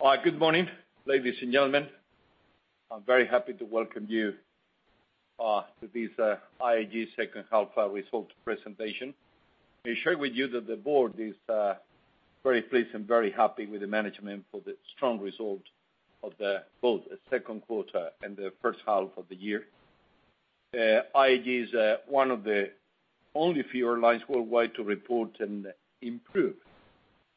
All right. Good morning, ladies and gentlemen. I'm very happy to welcome you to this IAG second half result presentation. Let me share with you that the board is very pleased and very happy with the management for the strong result of both the second quarter and the first half of the year. IAG is one of the only few airlines worldwide to report an improved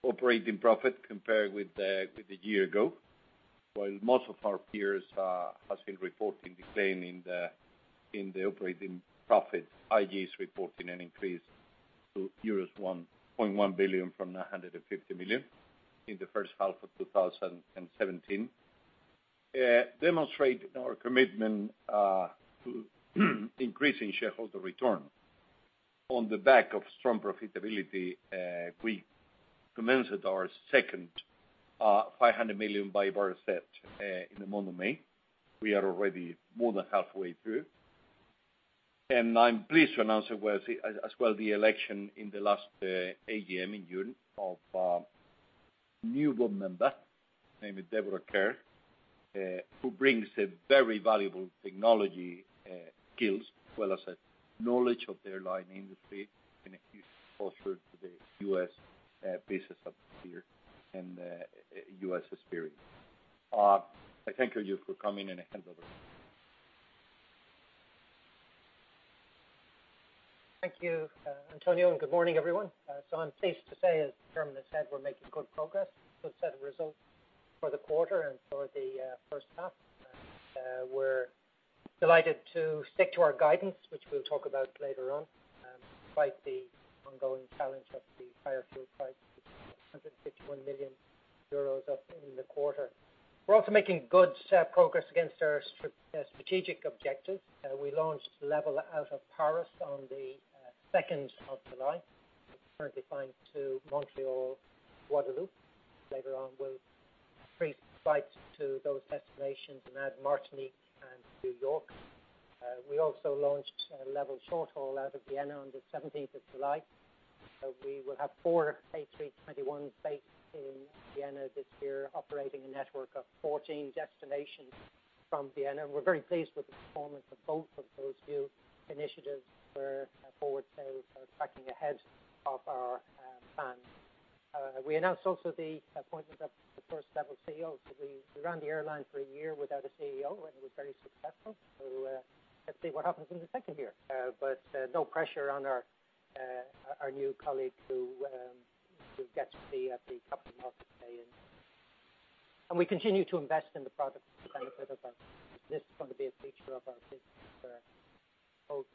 operating profit compared with a year ago. While most of our peers are still reporting decline in the operating profit, IAG is reporting an increase to euros 1.1 billion from 950 million in the first half of 2017. Demonstrate our commitment to increasing shareholder return. On the back of strong profitability, we commenced our second 500 million buyback set in the month of May. We are already more than halfway through. I'm pleased to announce, as well, the election in the last AGM in June of a new board member, namely Deborah Kerr, who brings very valuable technology skills, as well as a knowledge of the airline industry and a huge exposure to the U.S. business up here and Spirit Airlines. I thank you for coming, and I hand over. Thank you, Antonio, and good morning, everyone. I'm pleased to say, as Chairman has said, we're making good progress. Good set of results for the quarter and for the first half. We're delighted to stick to our guidance, which we'll talk about later on. Despite the ongoing challenge of the higher fuel price, 151 million euros up in the quarter. We're also making good progress against our strategic objectives. We launched LEVEL out of Paris on the 2nd of July, currently flying to Montreal, Guadeloupe. Later on, we'll increase flights to those destinations and add Martinique and New York. We also launched a LEVEL short haul out of Vienna on the 17th of July. We will have four A321s based in Vienna this year, operating a network of 14 destinations from Vienna. We're very pleased with the performance of both of those new initiatives. Our forward sales are tracking ahead of our plan. We announced also the appointment of the first LEVEL CEO. We ran the airline for a year without a CEO, and it was very successful. Let's see what happens in the second year. No pressure on our new colleague who gets the captain's hat today. We continue to invest in the product this is going to be a feature of our business for both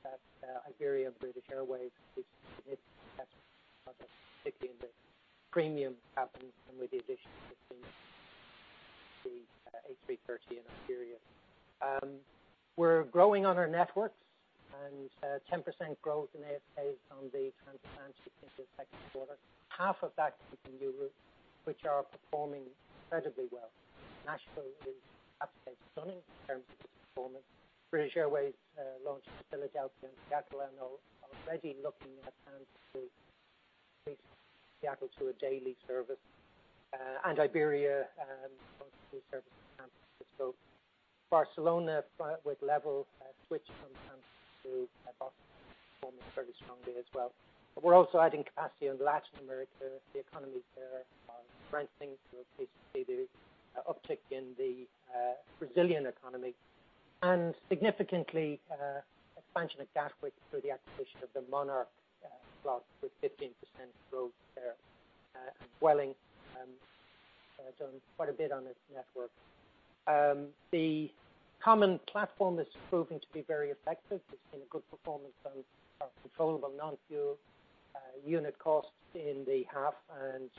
Iberia and British Airways. particularly in the premium cabin and with the addition of the A330 and Iberia. We're growing on our networks, 10% growth in ASKs on the trans-Atlantic in the second quarter. Half of that is in Europe, which are performing incredibly well. Nashville is absolutely stunning in terms of its performance. British Airways launched Philadelphia and Seattle and are already looking at San Francisco. Seattle to a daily service. Iberia launched a new service to San Francisco. Barcelona, with LEVEL, switched from San Francisco to Boston, performing fairly strongly as well. We're also adding capacity on Latin America. The economies there are strengthening. We'll see the uptick in the Brazilian economy. Significantly, expansion at Gatwick through the acquisition of the Monarch slot with 15% growth there. Vueling has done quite a bit on its network. The common platform is proving to be very effective. We've seen a good performance of controllable non-fuel unit costs in the half and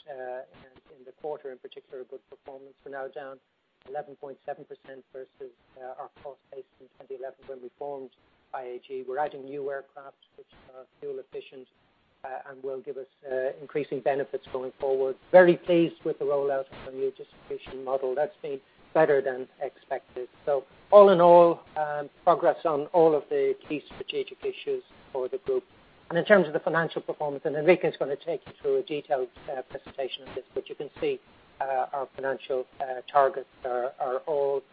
in the quarter in particular, a good performance. We're now down 11.7% versus our cost base in 2011, when we formed IAG. We're adding new aircraft, which are fuel efficient and will give us increasing benefits going forward. Very pleased with the rollout of our new distribution model. That's been better than expected. All in all, progress on all of the key strategic issues for the group. In terms of the financial performance, and Enrique is going to take you through a detailed presentation on this, but you can see our financial targets are all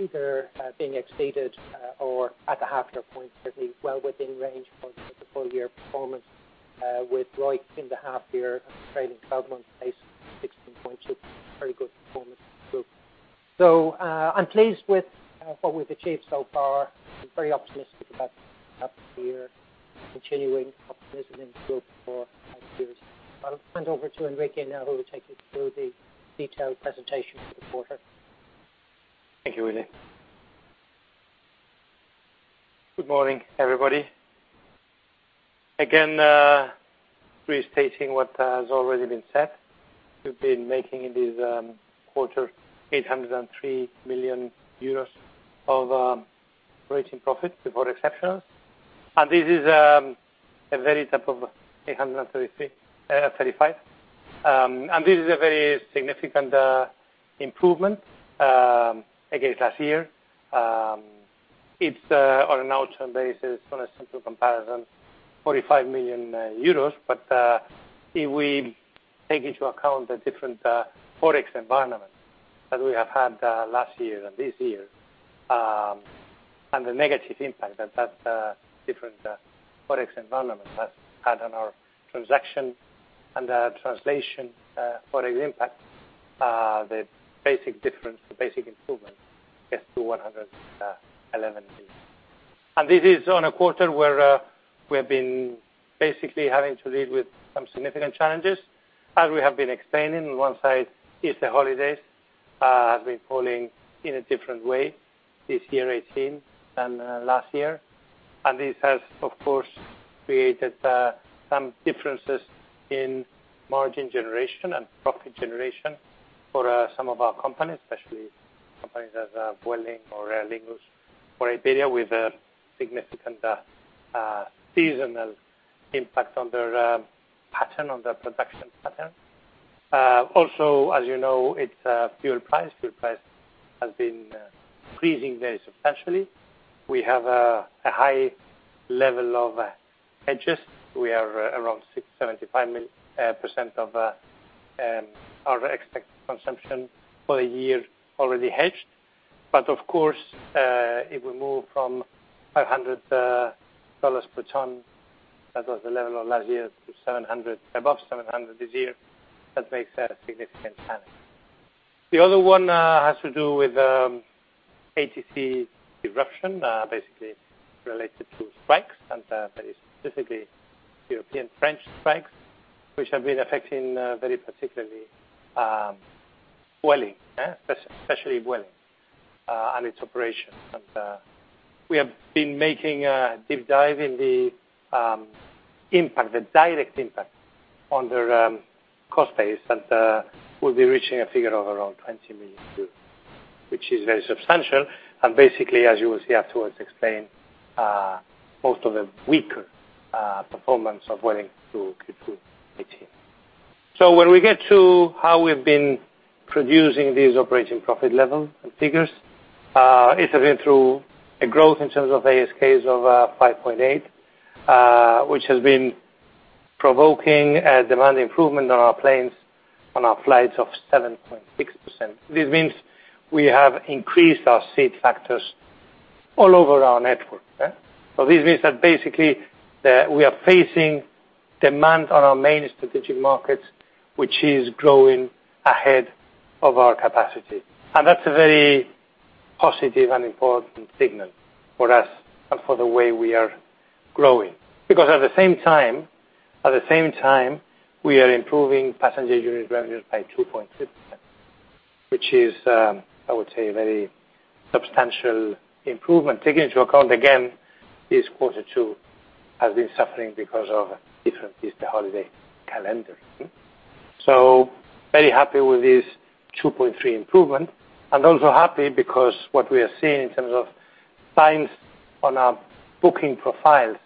either being exceeded or at the half year point, certainly well within range for the full year performance with ROI in the half year and the trailing 12 months base, 16.2. Very good performance group. I'm pleased with what we've achieved so far. I'm very optimistic about the half year, continuing optimism in the group for five years. I'll hand over to Enrique now, who will take you through the detailed presentation for the quarter. Thank you, Willie. Good morning, everybody. Again, restating what has already been said. We've been making in this quarter 803 million euros of operating profit before exceptionals. This is a very type of 835 million. This is a very significant improvement against last year. It's, on an outcome basis, on a simple comparison, 45 million euros. If we take into account the different Forex environment that we have had last year and this year, and the negative impact that different Forex environment has had on our transaction and translation, Forex impact, the basic difference, the basic improvement, gets to 111 million. This is on a quarter where we have been basically having to deal with some significant challenges. As we have been explaining, on one side, Easter holidays have been falling in a different way this year, 2018, than last year. This has, of course, created some differences in margin generation and profit generation for some of our companies, especially companies as Vueling or Aer Lingus, or Iberia with a significant seasonal impact on their production pattern. Also, as you know, it's fuel price. Fuel price has been increasing very substantially. We have a high level of hedges. We are around 75% of our expected consumption for the year already hedged. But of course, if we move from 500 dollars per ton, that was the level of last year, to above 700 this year, that makes a significant challenge. The other one has to do with ATC disruption, basically related to strikes, and very specifically European French strikes, which have been affecting very particularly, Vueling, especially Vueling and its operations. We have been making a deep dive in the direct impact on their cost base. We'll be reaching a figure of around 20 million euros, which is very substantial, and basically, as you will see afterwards explained, most of the weaker performance of Vueling through Q2 2018. When we get to how we've been producing these operating profit level figures, it has been through a growth in terms of ASK of 5.8%, which has been provoking a demand improvement on our planes, on our flights, of 7.6%. This means we have increased our seat factors all over our network. This means that basically, we are facing demand on our main strategic markets, which is growing ahead of our capacity. That's a very positive and important signal for us and for the way we are growing, because at the same time, we are improving passenger unit revenues by 2.6%, which is, I would say, a very substantial improvement, taking into account, again, this quarter two has been suffering because of different Easter holiday calendar. Very happy with this 2.3% improvement, and also happy because what we are seeing in terms of signs on our booking profiles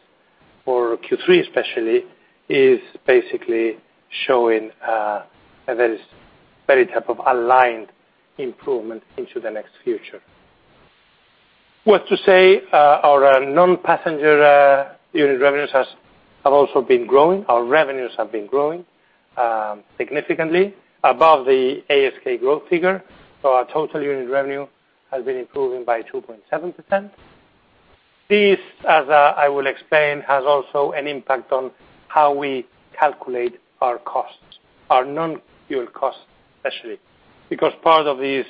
for Q3 especially, is basically showing a very type of aligned improvement into the next future. Worth to say, our non-passenger unit revenues have also been growing. Our revenues have been growing significantly above the ASK growth figure. Our total unit revenue has been improving by 2.7%. This, as I will explain, has also an impact on how we calculate our costs, our non-fuel costs especially, because part of this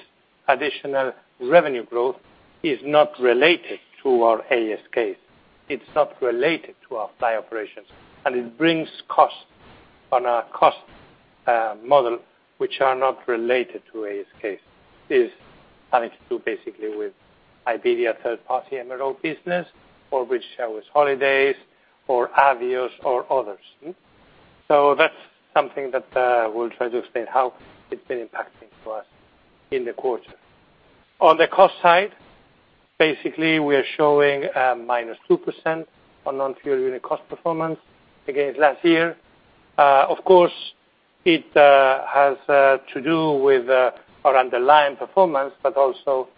additional revenue growth is not related to our ASK. It's not related to our flight operations, and it brings costs on our cost model, which are not related to ASK. It's having to do basically with Iberia third-party MRO business, or British Airways Holidays, or Avios, or others. That's something that we'll try to explain how it's been impacting to us in the quarter. On the cost side, basically, we are showing a -2% on non-fuel unit cost performance against last year. Of course, it has to do with our underlying performance, but also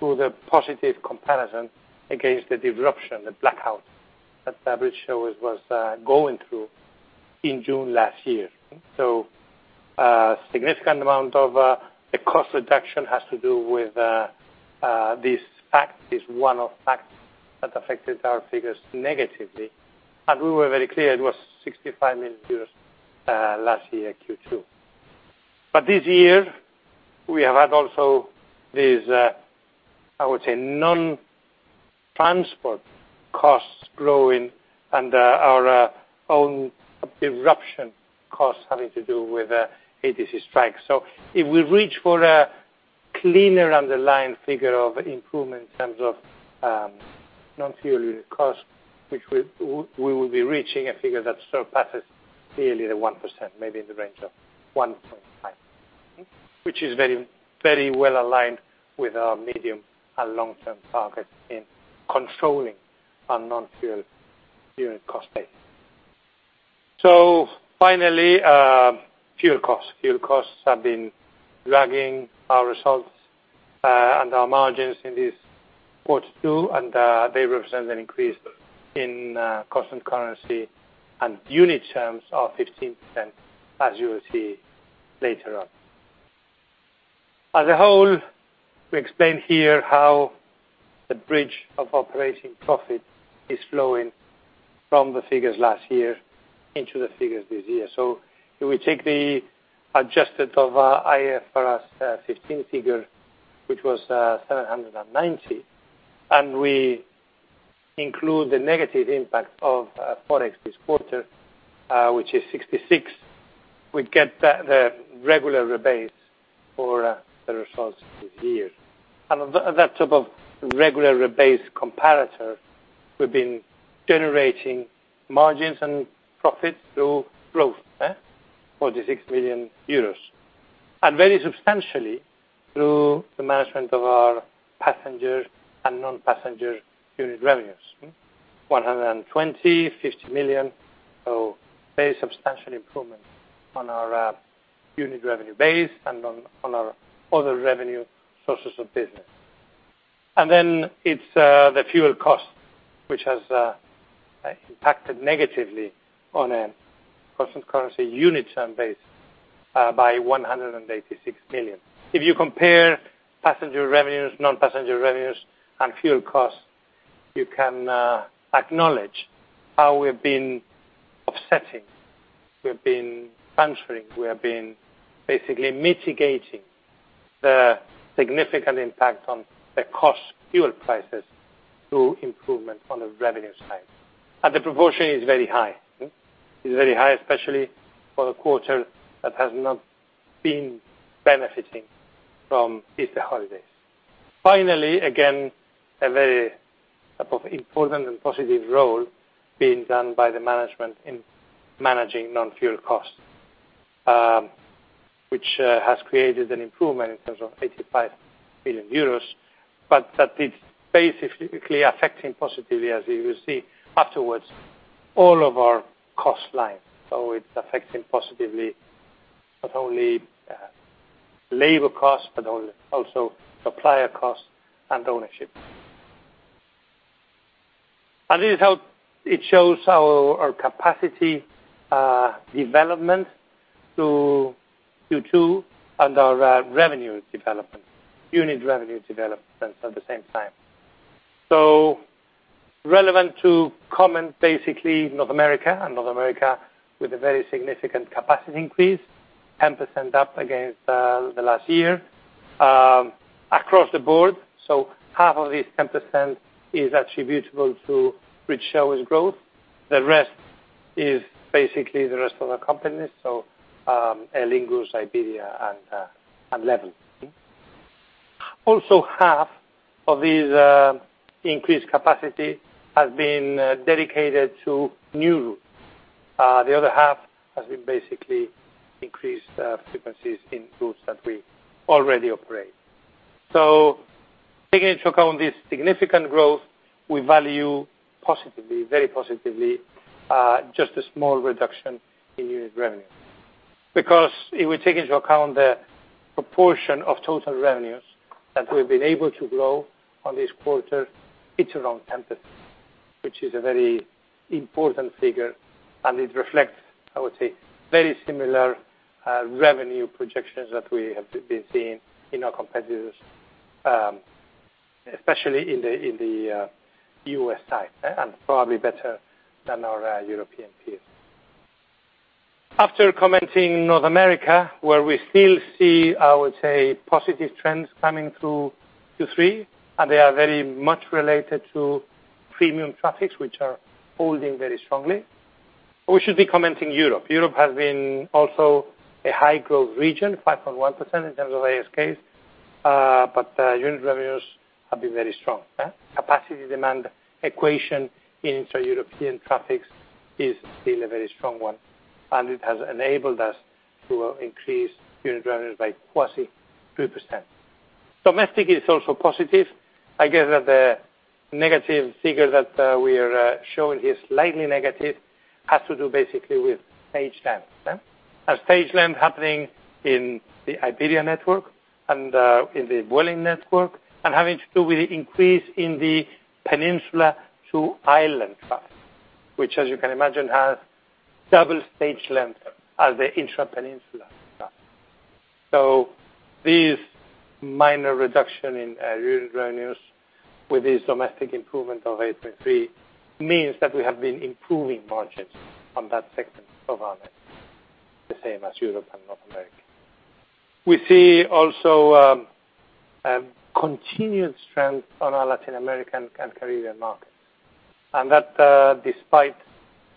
to the positive comparison against the disruption, the blackout that British Airways was going through in June last year. A significant amount of the cost reduction has to do with this fact, is one of facts that affected our figures negatively. We were very clear it was 65 million euros last year, Q2. This year, we have had also these, I would say, non-transport costs growing and our own disruption costs having to do with ATC strikes. If we reach for a cleaner underlying figure of improvement in terms of non-fuel unit cost, which we will be reaching a figure that surpasses clearly the 1%, maybe in the range of 1.5%, which is very well aligned with our medium and long-term target in controlling our non-fuel unit cost base. Finally, fuel costs. Fuel costs have been dragging our results and our margins in this quarter too, they represent an increase in constant currency and unit terms of 15%, as you will see later on. As a whole, we explain here how the bridge of operating profit is flowing from the figures last year into the figures this year. If we take the adjusted of IFRS 15 figure, which was 790, and we include the negative impact of Forex this quarter, which is 66, we get the regular rebase for the results this year. On that type of regular rebase comparator, we've been generating margins and profits through growth, 46 million euros. Very substantially through the management of our passenger and non-passenger unit revenues, 150 million. Very substantial improvement on our unit revenue base and on our other revenue sources of business. It's the fuel cost, which has impacted negatively on a constant currency unit ton base, by 186 million. If you compare passenger revenues, non-passenger revenues, and fuel costs, you can acknowledge how we've been offsetting, we've been countering, we have been basically mitigating the significant impact on the cost, fuel prices, through improvement on the revenue side. The proportion is very high. It's very high, especially for the quarter that has not been benefiting from Easter holidays. Finally, again, a very important and positive role being done by the management in managing non-fuel costs, which has created an improvement in terms of 85 million euros, but that it's basically affecting positively, as you will see afterwards, all of our cost lines. It's affecting positively not only labor costs, but also supplier costs and ownership. This is how it shows our capacity development to Q2 and our revenue development, unit revenue developments at the same time. Relevant to comment, basically North America. North America with a very significant capacity increase, 10% up against the last year, across the board. Half of this 10% is attributable to British Airways growth. The rest is basically the rest of our companies. Aer Lingus, Iberia, and LEVEL. Also, half of this increased capacity has been dedicated to new routes. The other half has been basically increased frequencies in routes that we already operate. Taking into account this significant growth, we value positively, very positively, just a small reduction in unit revenue. If we take into account the proportion of total revenues that we've been able to grow on this quarter, it's around 10%, which is a very important figure, and it reflects, I would say, very similar revenue projections that we have been seeing in our competitors, especially in the U.S. side. Probably better than our European peers. After commenting North America, where we still see, I would say, positive trends coming through Q3, they are very much related to premium traffics, which are holding very strongly. We should be commenting Europe. Europe has been also a high-growth region, 5.1% in terms of ASK, unit revenues have been very strong. Capacity demand equation in inter-European traffics is still a very strong one, and it has enabled us to increase unit revenues by quasi 2%. Domestic is also positive. I guess that the negative figure that we are showing here, slightly negative, has to do basically with stage length. A stage length happening in the Iberia network and in the Vueling network, and having to do with the increase in the peninsula to island traffic, which as you can imagine, has double stage length as the intra-peninsula traffic. This minor reduction in unit revenues with this domestic improvement of 8.3% means that we have been improving margins on that segment of our network, the same as Europe and North America. We see also continued strength on our Latin American and Caribbean markets, and that despite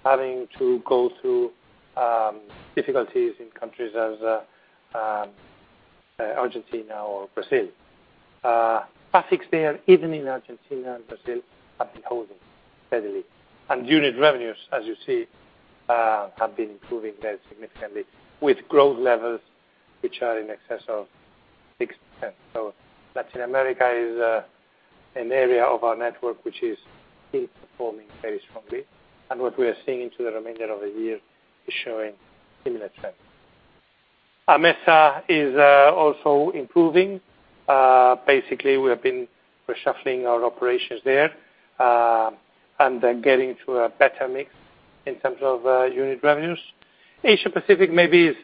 having to go through difficulties in countries as Argentina or Brazil. Traffics there, even in Argentina and Brazil, have been holding steadily. Unit revenues, as you see, have been improving there significantly with growth levels which are in excess of 6%. Latin America is an area of our network, which is still performing very strongly, what we are seeing into the remainder of the year is showing similar trends. AMESA is also improving. Basically, we have been reshuffling our operations there, then getting to a better mix in terms of unit revenues. Asia Pacific maybe is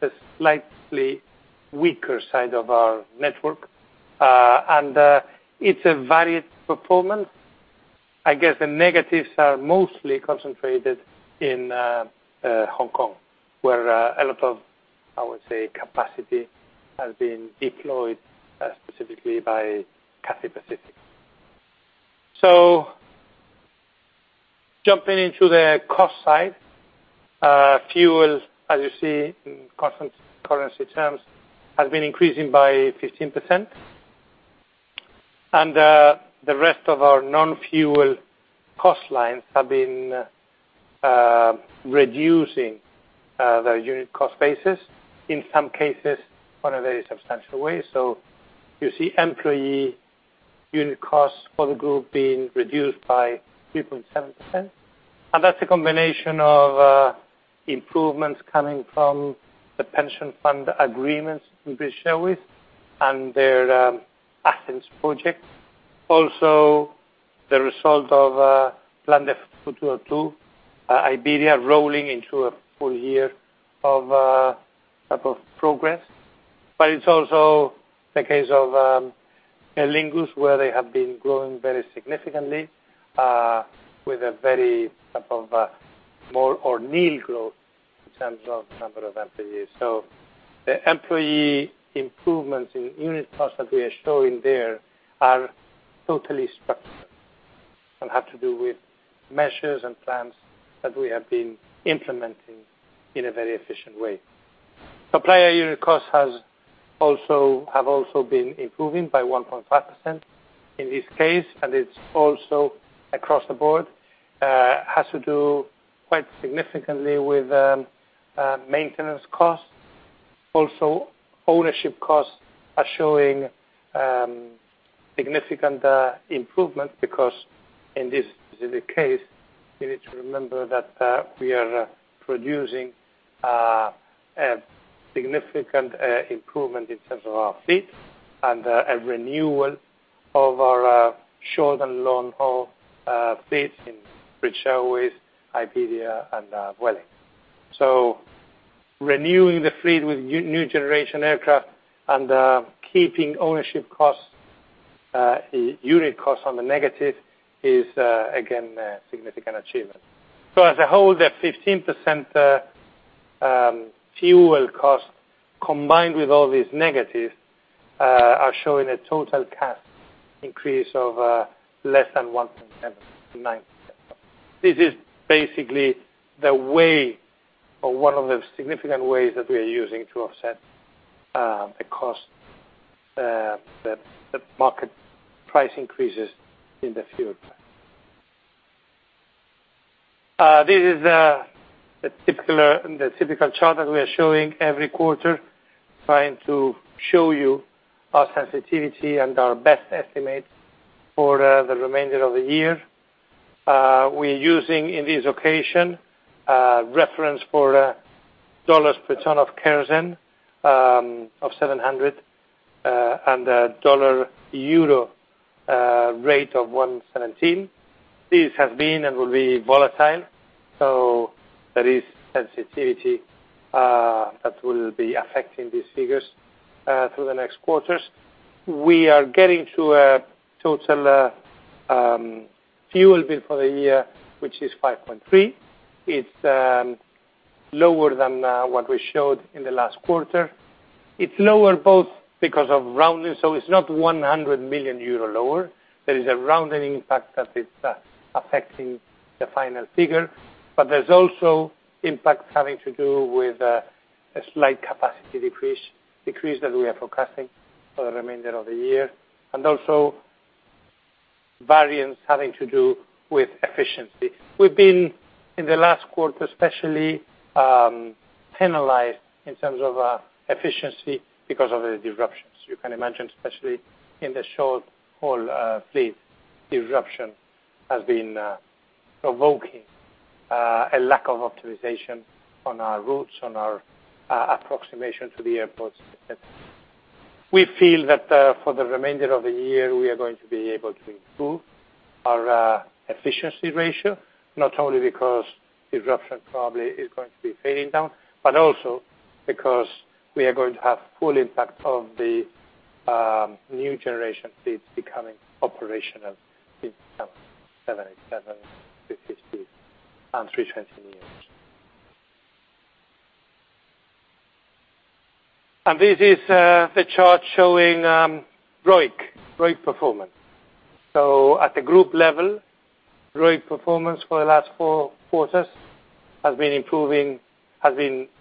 the slightly weaker side of our network. It's a varied performance. I guess the negatives are mostly concentrated in Hong Kong, where a lot of, I would say, capacity has been deployed specifically by Cathay Pacific. Jumping into the cost side. Fuel, as you see in constant currency terms, has been increasing by 15%. The rest of our non-fuel cost lines have been reducing their unit cost basis, in some cases, on a very substantial way. You see employee unit costs for the group being reduced by 3.7%. That's a combination of improvements coming from the pension fund agreements with British Airways and their Athens project. The result of Plan de Futuro 2, Iberia rolling into a full year of type of progress. It's also the case of Aer Lingus, where they have been growing very significantly, with a very type of more or nil growth in terms of number of employees. The employee improvements in unit costs that we are showing there are totally structural and have to do with measures and plans that we have been implementing in a very efficient way. Supplier unit costs have also been improving by 1.5% in this case, it's also across the board, has to do quite significantly with maintenance costs. Also, ownership costs are showing significant improvement because in this specific case, you need to remember that we are producing a significant improvement in terms of our fleet and a renewal of our short and long-haul fleet in British Airways, Iberia, and Vueling. Renewing the fleet with new generation aircraft and keeping ownership costs, unit costs on the negative is again, a significant achievement. As a whole, the 15% fuel cost combined with all these negatives are showing a total cost increase of less than 1.79%. This is basically the way or one of the significant ways that we are using to offset the cost, the market price increases in the future. This is the typical chart that we are showing every quarter, trying to show you our sensitivity and our best estimates for the remainder of the year. We're using, in this occasion, a reference for USD 700 per ton of kerosene and a USD/EUR rate of 117. These have been and will be volatile, there is sensitivity that will be affecting these figures through the next quarters. We are getting to a total fuel bill for the year, which is 5.3 billion. It's lower than what we showed in the last quarter. It's lower both because of rounding. It's not 100 million euro lower. There is a rounding impact that is affecting the final figure. There's also impacts having to do with a slight capacity decrease that we are forecasting for the remainder of the year. Also variance having to do with efficiency. We've been, in the last quarter especially, penalized in terms of efficiency because of the disruptions. You can imagine, especially in the short-haul fleet, disruption has been provoking a lack of optimization on our routes, on our approximation to the airports. We feel that for the remainder of the year, we are going to be able to improve our efficiency ratio, not only because disruption probably is going to be fading down, but also because we are going to have full impact of the new generation fleets becoming operational in some 787, 350, and 320 neo. This is the chart showing ROIC. ROIC performance. At the group level, ROIC performance for the last four quarters has been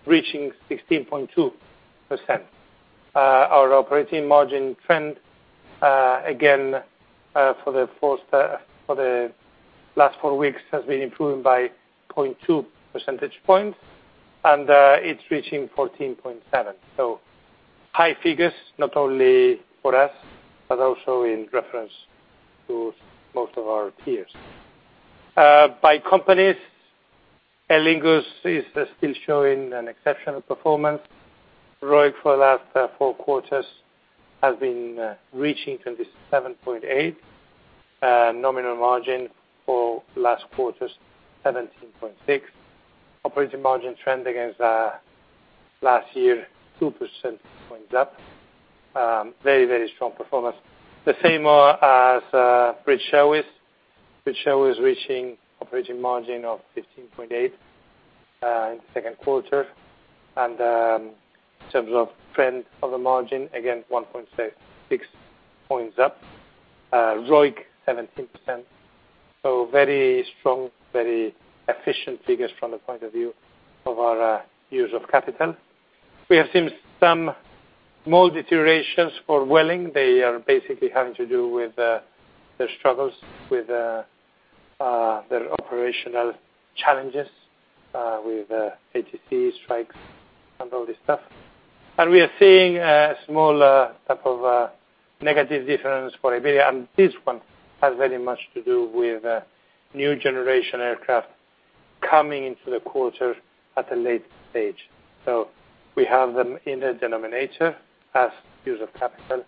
reaching 16.2%. Our operating margin trend, again, for the last four quarters has been improving by 0.2 percentage points. It's reaching 14.7%. High figures, not only for us, but also in reference to most of our peers. By companies, Aer Lingus is still showing an exceptional performance. ROIC for the last four quarters has been reaching 27.8%. Nominal margin for last quarter is 17.6%. Operating margin trend against last year, 2 percentage points up. Very strong performance. The same as British Airways. British Airways reaching operating margin of 15.8% in the second quarter. In terms of trend of the margin, again, 1.6 percentage points up. ROIC, 17%. Very strong, very efficient figures from the point of view of our use of capital. We have seen some small deteriorations for Vueling. They are basically having to do with their struggles with their operational challenges, with ATC strikes and all this stuff. We are seeing a small type of negative difference for Iberia, and this one has very much to do with new generation aircraft coming into the quarter at a later stage. We have them in the denominator as use of capital.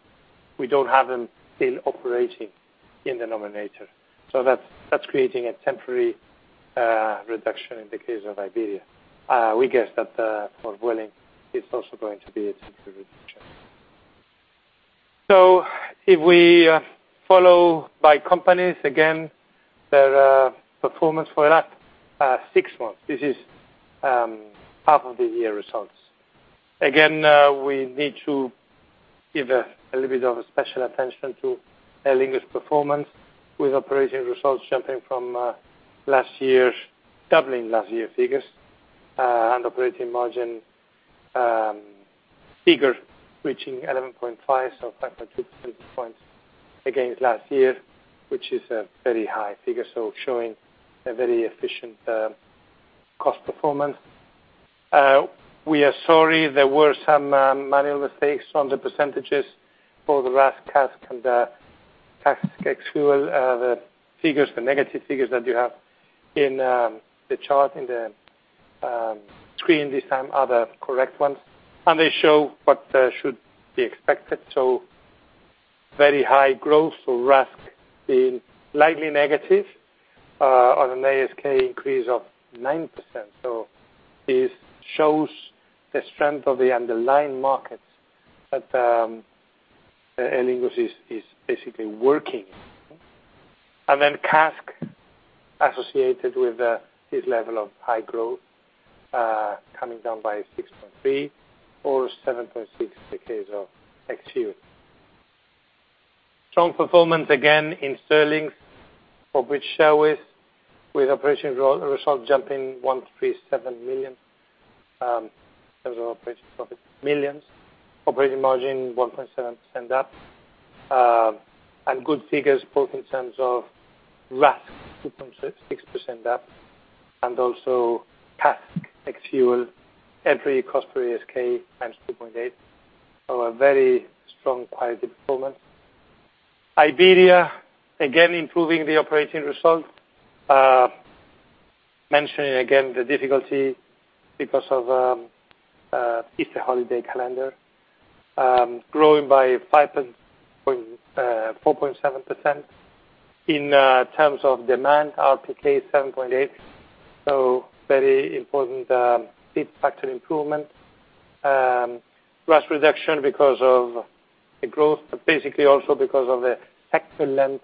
We don't have them still operating in denominator. That's creating a temporary reduction in the case of Iberia. We guess that for Vueling, it's also going to be a temporary reduction. If we follow by companies, again, their performance for the last six months. This is half of the year results. Again, we need to give a little bit of special attention to Aer Lingus performance, with operating results jumping from last year, doubling last year's figures. And operating margin figure reaching 11.5%, 5.2 percentage points against last year, which is a very high figure. Showing a very efficient cost performance. We are sorry, there were some manual mistakes on the percentages for the RASK, CASK, and the CASK ex fuel, the figures, the negative figures that you have in the chart, in the screen this time are the correct ones, and they show what should be expected. Very high growth. RASK being lightly negative on an ASK increase of 9%. This shows the strength of the underlying markets that Aer Lingus is basically working. Then CASK associated with this level of high growth, coming down by 6.3% or 7.6% in the case of ex fuel. Strong performance again in sterling for British Airways, with operating results jumping 137 million, in terms of operating profit. Millions. Operating margin, 1.7% up. Good figures both in terms of RASK, 2.6% up, and also CASK ex fuel, every cost per ASK, -2.8%. A very strong, positive performance. Iberia, again, improving the operating result. Mentioning again the difficulty because of Easter holiday calendar. Growing by 4.7%. In terms of demand, RPK 7.8%. Very important, seat factor improvement. RASK reduction because of the growth, but basically also because of the excellent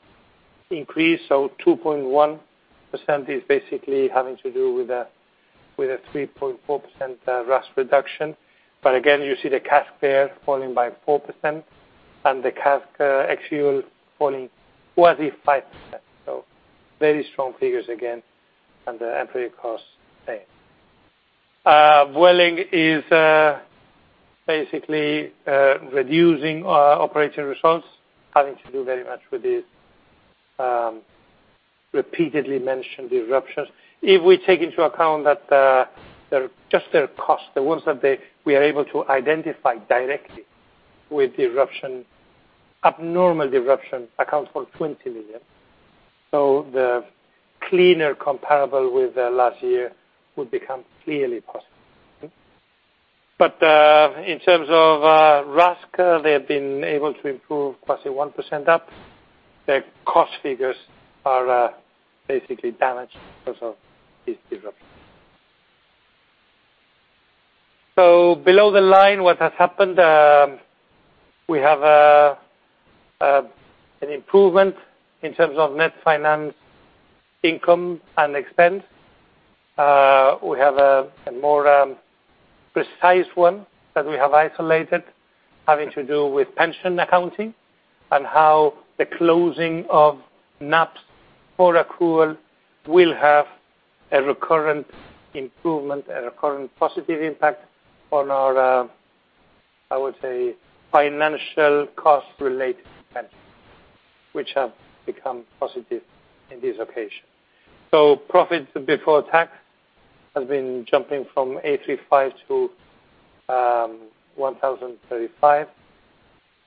increase. 2.1% is basically having to do with a 3.4% RASK reduction. Again, you see the CASK there falling by 4%, and the CASK ex fuel falling quasi 5%. Very strong figures again, and the entry costs same. Vueling is basically reducing operating results, having to do very much with these repeatedly mentioned disruptions. If we take into account that just their cost, the ones that we are able to identify directly with the abnormal disruption accounts for 20 million. The cleaner comparable with last year would become clearly possible. In terms of RASK, they have been able to improve quasi 1% up. Their cost figures are basically damaged because of these disruptions. Below the line, what has happened, we have an improvement in terms of net finance income and expense. We have a more precise one that we have isolated, having to do with pension accounting and how the closing of NAPS for accrual will have a recurrent improvement, a recurrent positive impact on our, I would say, financial cost related expenses. Which have become positive in this occasion. Profit before tax has been jumping from 835 to 1,035.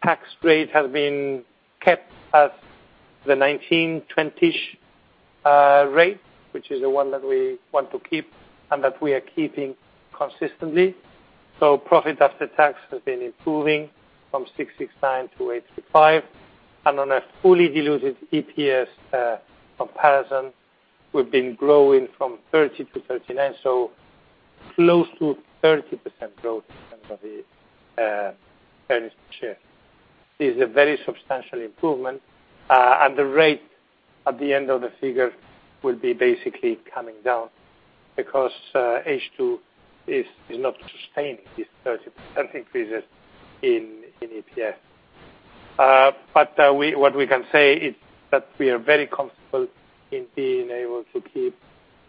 Tax rate has been kept at the 19%-20%-ish rate, which is the one that we want to keep and that we are keeping consistently. Profit after tax has been improving from 669 to 835. On a fully diluted EPS comparison, we've been growing from 30 to 39, so close to 30% growth in terms of the earnings per share. It is a very substantial improvement. The rate at the end of the figure will be basically coming down because H2 is not sustaining this 30% increase in EPS. What we can say is that we are very comfortable in being able to keep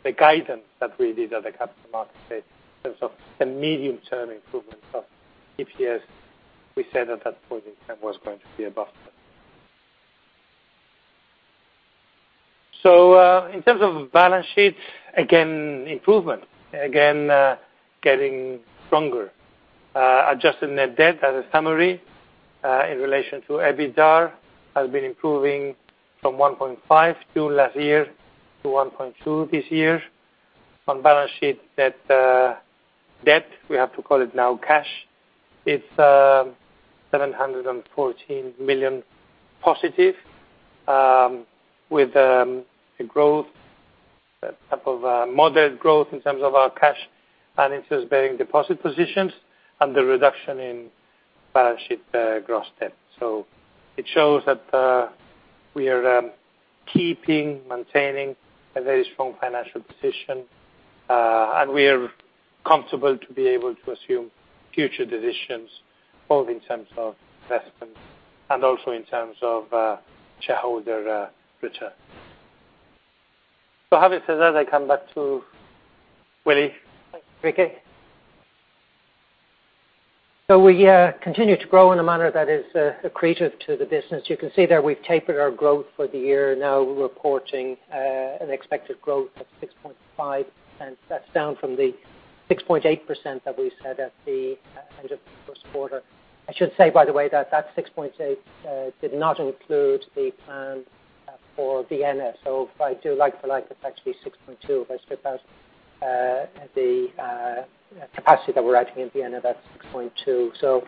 the guidance that we did at the capital market day in terms of the medium-term improvement of EPS. We said at that point in time was going to be above that. In terms of balance sheet, again, improvement. Again, getting stronger. Adjusted net debt as a summary, in relation to EBITDA, has been improving from 1.5 to 1.2 this year. On balance sheet debt, we have to call it now cash, it's 714 million positive with a type of moderate growth in terms of our cash and interest-bearing deposit positions and the reduction in balance sheet gross debt. It shows that we are keeping, maintaining a very strong financial position, and we are comfortable to be able to assume future decisions, both in terms of investments and also in terms of shareholder return. Having said that, I come back to Willie. Thanks, Enrique. We continue to grow in a manner that is accretive to the business. You can see there we've tapered our growth for the year, now reporting an expected growth of 6.5%. That's down from the 6.8% that we said at the end of the first quarter. I should say, by the way, that 6.8 did not include the plan for Vienna. If I do like for like, it's actually 6.2 if I strip out the capacity that we're adding in Vienna. That's 6.2.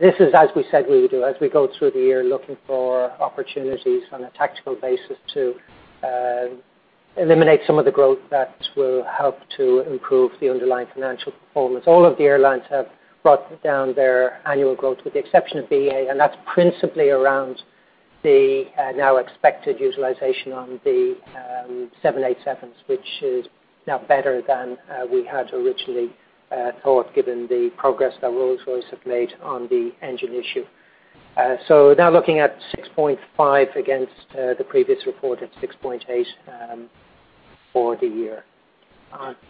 This is as we said we would do, as we go through the year looking for opportunities on a tactical basis to eliminate some of the growth that will help to improve the underlying financial performance. All of the airlines have brought down their annual growth with the exception of BA, that's principally around the now expected utilization on the 787s, which is now better than we had originally thought given the progress that Rolls-Royce have made on the engine issue. Now looking at 6.5 against the previous report at 6.8 for the year.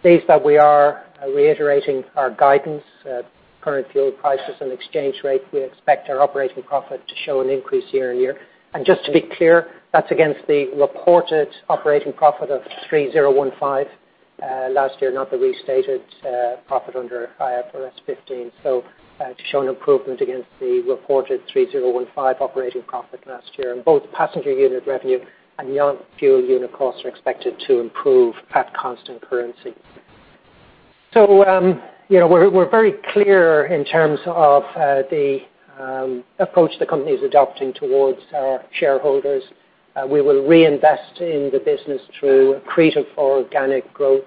Based on that we are reiterating our guidance. At current fuel prices and exchange rate, we expect our operating profit to show an increase year-on-year. Just to be clear, that's against the reported operating profit of 3,015 last year, not the restated profit under IFRS 15. To show an improvement against the reported 3,015 operating profit last year. Both passenger unit revenue and non-fuel unit costs are expected to improve at constant currency. We're very clear in terms of the approach the company is adopting towards our shareholders. We will reinvest in the business through accretive organic growth.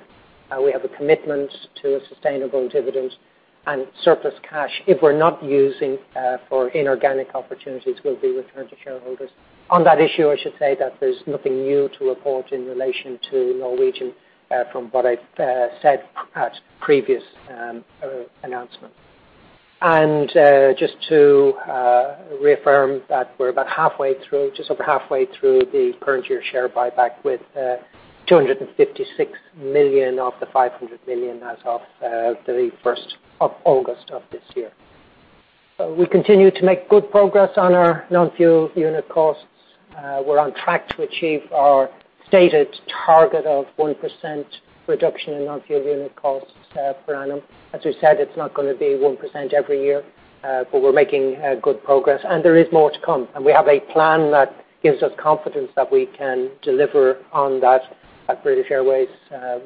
We have a commitment to a sustainable dividend, and surplus cash, if we're not using for inorganic opportunities, will be returned to shareholders. On that issue, I should say that there's nothing new to report in relation to Norwegian from what I said at previous announcement. Just to reaffirm that we're just over halfway through the current year share buyback with 256 million of the 500 million as of the 1st of August of this year. We continue to make good progress on our non-fuel unit costs. We're on track to achieve our stated target of 1% reduction in non-fuel unit costs per annum. As we said, it's not going to be 1% every year, but we're making good progress. There is more to come. We have a plan that gives us confidence that we can deliver on that at British Airways.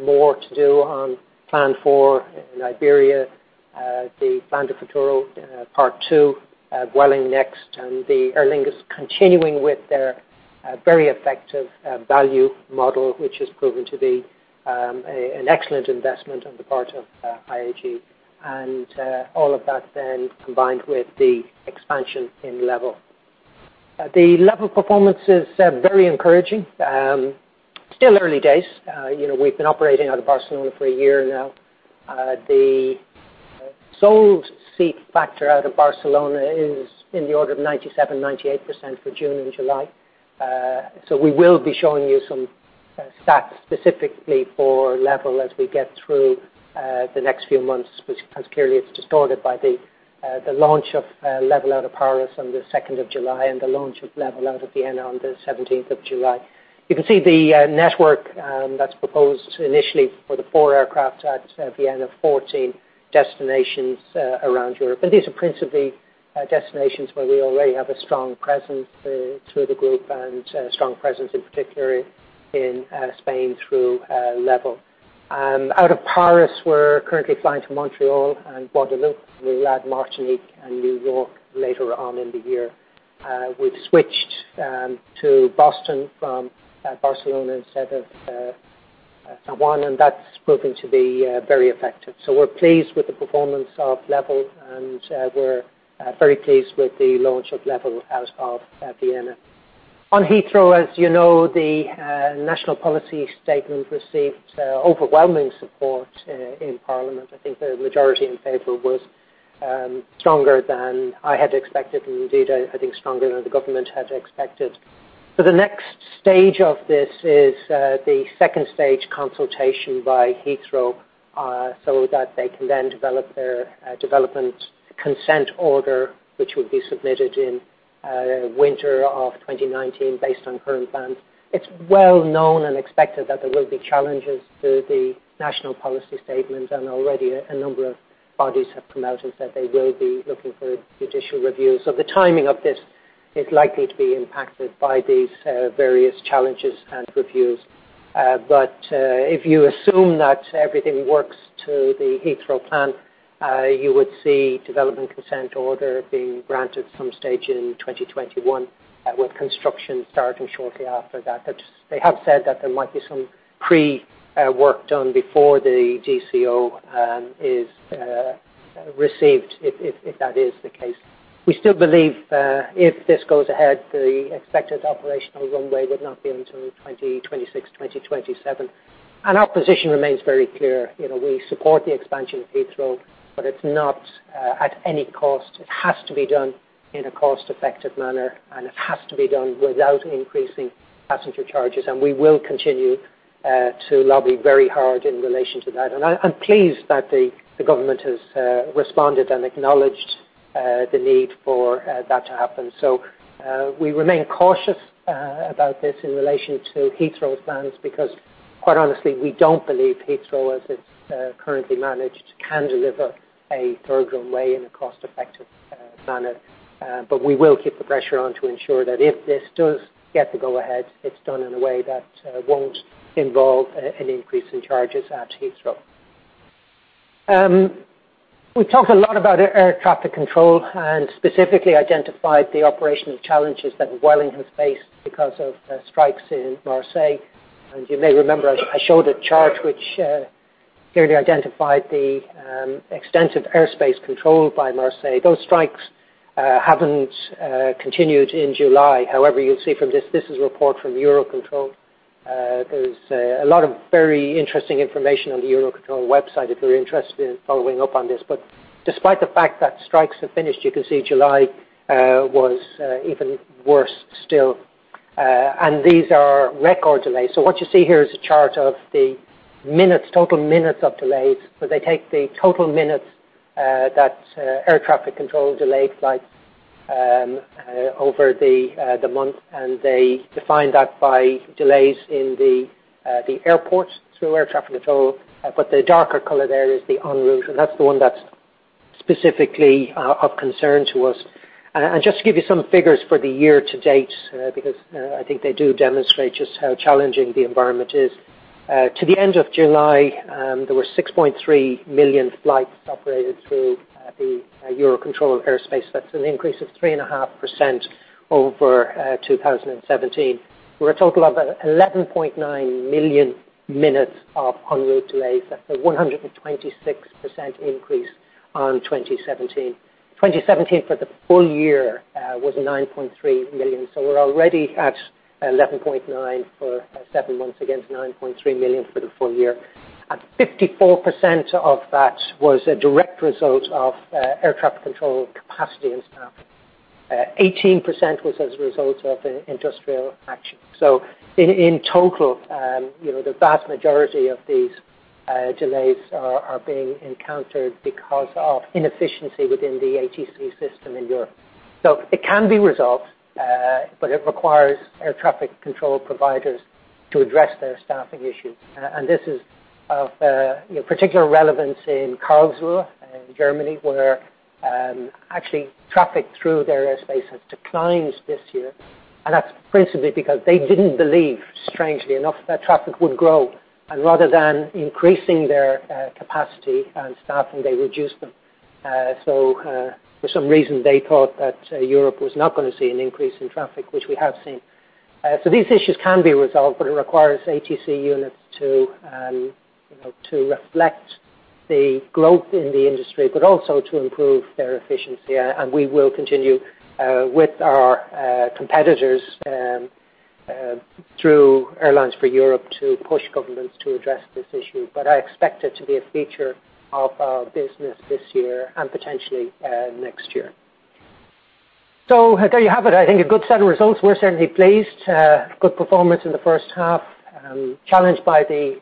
More to do on plan for Iberia, the Plan de Futuro Part 2 Vuelling next, and the Aer Lingus continuing with their very effective value model, which has proven to be an excellent investment on the part of IAG. All of that then combined with the expansion in LEVEL. The LEVEL performance is very encouraging. Still early days. We've been operating out of Barcelona for a year now. The sold seat factor out of Barcelona is in the order of 97%-98% for June and July. We will be showing you some stats specifically for LEVEL as we get through the next few months, which clearly it's distorted by the launch of LEVEL out of Paris on the 2nd of July and the launch of LEVEL out of Vienna on the 17th of July. You can see the network that's proposed initially for the four aircraft at Vienna, 14 destinations around Europe. These are principally destinations where we already have a strong presence through the group and a strong presence in particular in Spain through LEVEL. Out of Paris, we're currently flying to Montreal and Guadeloupe. We'll add Martinique and New York later on in the year. We've switched to Boston from Barcelona instead of San Juan, and that's proven to be very effective. We're pleased with the performance of LEVEL, and we're very pleased with the launch of LEVEL out of Vienna. On Heathrow, as you know, the Airports National Policy Statement received overwhelming support in Parliament. I think the majority in favor was stronger than I had expected, and indeed, I think stronger than the government had expected. The next stage of this is the second-stage consultation by Heathrow, so that they can then develop their Development Consent Order, which would be submitted in winter of 2019 based on current plans. It's well known and expected that there will be challenges to the Airports National Policy Statement, and already a number of bodies have come out and said they will be looking for judicial reviews. The timing of this is likely to be impacted by these various challenges and reviews. If you assume that everything works to the Heathrow plan, you would see Development Consent Order being granted some stage in 2021, with construction starting shortly after that. They have said that there might be some pre-work done before the DCO is received if that is the case. We still believe if this goes ahead, the expected operational runway would not be until 2026, 2027. Our position remains very clear. We support the expansion of Heathrow, but it's not at any cost. It has to be done in a cost-effective manner, and it has to be done without increasing passenger charges. We will continue to lobby very hard in relation to that. I'm pleased that the government has responded and acknowledged the need for that to happen. We remain cautious about this in relation to Heathrow's plans because quite honestly, we don't believe Heathrow as it's currently managed, can deliver a third runway in a cost-effective manner. We will keep the pressure on to ensure that if this does get the go-ahead, it's done in a way that won't involve an increase in charges at Heathrow. We talked a lot about air traffic control and specifically identified the operational challenges that Vueling's faced because of strikes in Marseille. You may remember I showed a chart which clearly identified the extensive airspace controlled by Marseille. Those strikes haven't continued in July. However, you'll see from this is a report from Eurocontrol. There's a lot of very interesting information on the Eurocontrol website if you're interested in following up on this. Despite the fact that strikes have finished, you can see July was even worse still. These are record delays. What you see here is a chart of the total minutes of delays. They take the total minutes that air traffic control delayed flights over the month, and they define that by delays in the airports through air traffic control. The darker color there is the en-route, and that's the one that's specifically of concern to us. Just to give you some figures for the year to date, because I think they do demonstrate just how challenging the environment is. To the end of July, there were 6.3 million flights operated through the Eurocontrol airspace. That's an increase of 3.5% over 2017, for a total of 11.9 million minutes of en-route delays. That's a 126% increase on 2017. 2017 for the full year was 9.3 million. We're already at 11.9 for seven months against 9.3 million for the full year. 54% of that was a direct result of air traffic control capacity and staffing. 18% was as a result of industrial action. In total the vast majority of these delays are being encountered because of inefficiency within the ATC system in Europe. It can be resolved, but it requires air traffic control providers to address their staffing issues. This is of particular relevance in Karlsruhe in Germany, where actually traffic through their airspace has declined this year. That's principally because they didn't believe, strangely enough, that traffic would grow. Rather than increasing their capacity and staffing, they reduced them. For some reason, they thought that Europe was not going to see an increase in traffic, which we have seen. These issues can be resolved, but it requires ATC units to reflect the growth in the industry, but also to improve their efficiency. We will continue with our competitors through Airlines for Europe to push governments to address this issue. I expect it to be a feature of our business this year and potentially next year. There you have it. I think a good set of results. We are certainly pleased. Good performance in the first half, challenged by the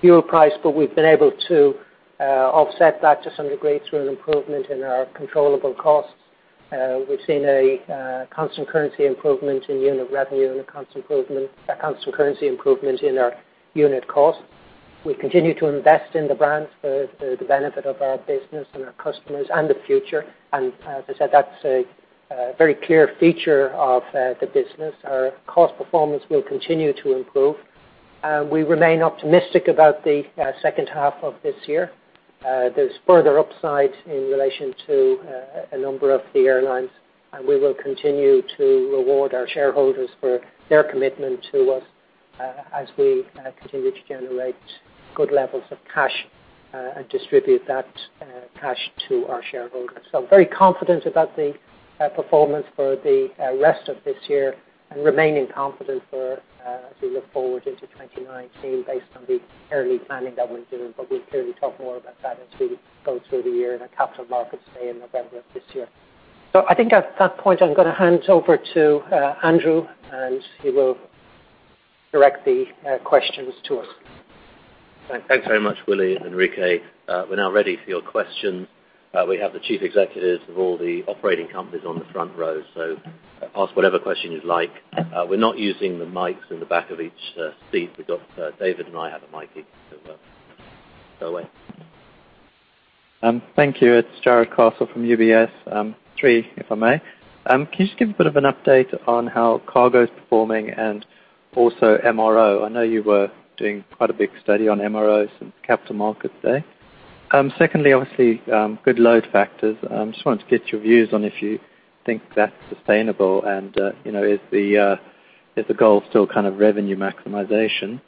fuel price, but we have been able to offset that to some degree through an improvement in our controllable costs. We have seen a constant currency improvement in unit revenue and a constant currency improvement in our unit cost. We continue to invest in the brands for the benefit of our business and our customers and the future. As I said, that is a very clear feature of the business. Our cost performance will continue to improve. We remain optimistic about the second half of this year. There is further upside in relation to a number of the airlines, and we will continue to reward our shareholders for their commitment to us as we continue to generate good levels of cash and distribute that cash to our shareholders. I am very confident about the performance for the rest of this year and remaining confident as we look forward into 2019 based on the early planning that we are doing. We will clearly talk more about that as we go through the year in our capital markets day in November of this year. I think at that point, I am going to hand over to Andrew, and he will direct the questions to us. Thanks very much, Willie and Enrique. We are now ready for your questions. We have the Chief Executives of all the operating companies on the front row. Ask whatever question you would like. We are not using the mics in the back of each seat. We have David, and I have a mic, we will go away. Thank you. It is Jarrod Castle from UBS. Three, if I may. Can you just give a bit of an update on how cargo is performing and also MRO? I know you were doing quite a big study on MROs and capital markets day. Secondly, obviously, good load factors. I just wanted to get your views on if you think that is sustainable and is the goal still kind of revenue maximization.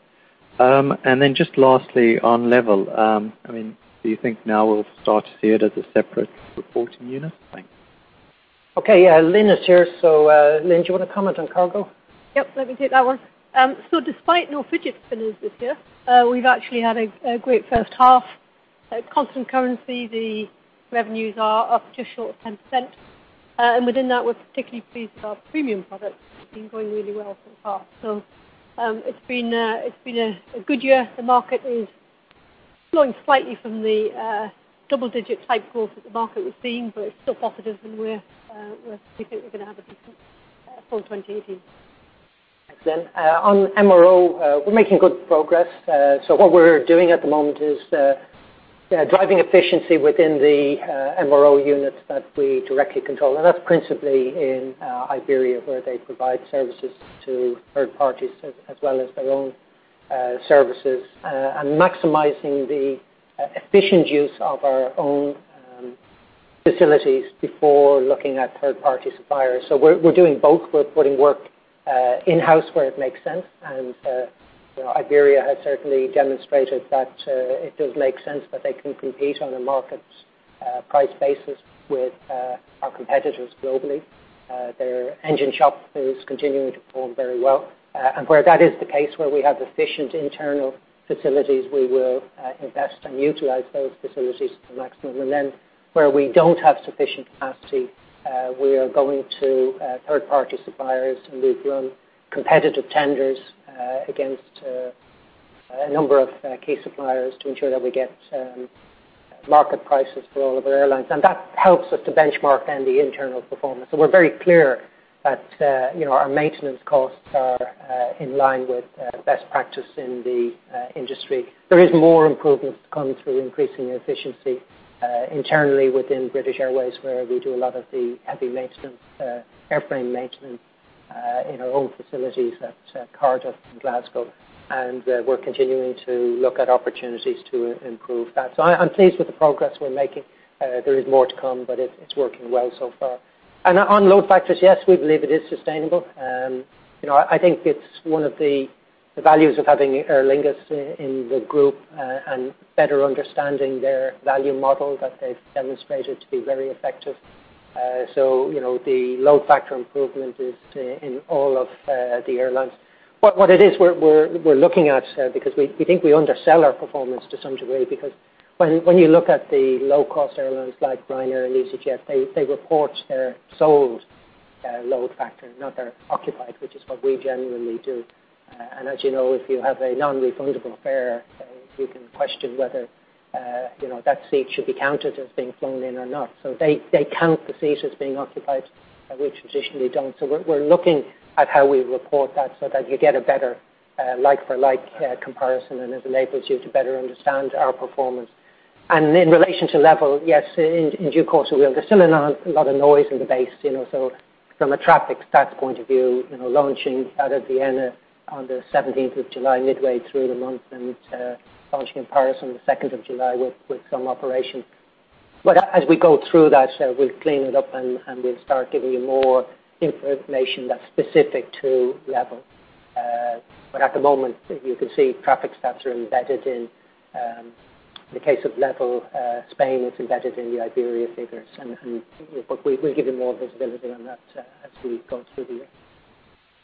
Then just lastly, on LEVEL, do you think now we will start to see it as a separate reporting unit? Thanks. Okay. Yeah, Lynne is here. Lynne, do you want to comment on cargo? Yep, let me take that one. Despite no freighter synergies this year, we've actually had a great first half. At constant currency, the revenues are up just short of 10%, and within that, we're particularly pleased with our premium products. It's been going really well so far. It's been a good year. The market is slowing slightly from the double-digit type growth that the market was seeing, but it's still positive, and we think we're going to have a decent fall 2018. Thanks, Lynne. On MRO, we're making good progress. What we're doing at the moment is driving efficiency within the MRO units that we directly control. That's principally in Iberia, where they provide services to third parties as well as their own services, and maximizing the efficient use of our own facilities before looking at third-party suppliers. We're doing both. We're putting work in-house where it makes sense, and Iberia has certainly demonstrated that it does make sense that they can compete on a market price basis with our competitors globally. Their engine shop is continuing to perform very well. Where that is the case, where we have efficient internal facilities, we will invest and utilize those facilities to the maximum. Then where we don't have sufficient capacity, we are going to third-party suppliers, and we've run competitive tenders against a number of key suppliers to ensure that we get market prices for all of our airlines. That helps us to benchmark then the internal performance. We're very clear that our maintenance costs are in line with best practice in the industry. There is more improvements to come through increasing efficiency internally within British Airways, where we do a lot of the heavy airplane maintenance in our own facilities at Cardiff and Glasgow, and we're continuing to look at opportunities to improve that. I'm pleased with the progress we're making. There is more to come, but it's working well so far. On load factors, yes, we believe it is sustainable. I think it's one of the values of having Aer Lingus in the group and better understanding their value model that they've demonstrated to be very effective. The load factor improvement is in all of the airlines. What it is we're looking at, because we think we undersell our performance to some degree, because when you look at the low-cost airlines like Ryanair and easyJet, they report their sold load factor, not their occupied, which is what we generally do. As you know, if you have a non-refundable fare, you can question whether that seat should be counted as being flown in or not. They count the seat as being occupied, and we traditionally don't. We're looking at how we report that so that you get a better like-for-like comparison, and it enables you to better understand our performance. In relation to LEVEL, yes, in due course, we will. There's still a lot of noise in the base. From a traffic stats point of view, launching out of Vienna on the 17th of July, midway through the month, and launching in Paris on the 2nd of July with some operation. As we go through that, we'll clean it up, and we'll start giving you more information that's specific to LEVEL. At the moment, you can see traffic stats are embedded in the case of LEVEL Spain, it's embedded in the Iberia figures. We'll give you more visibility on that as we go through the year.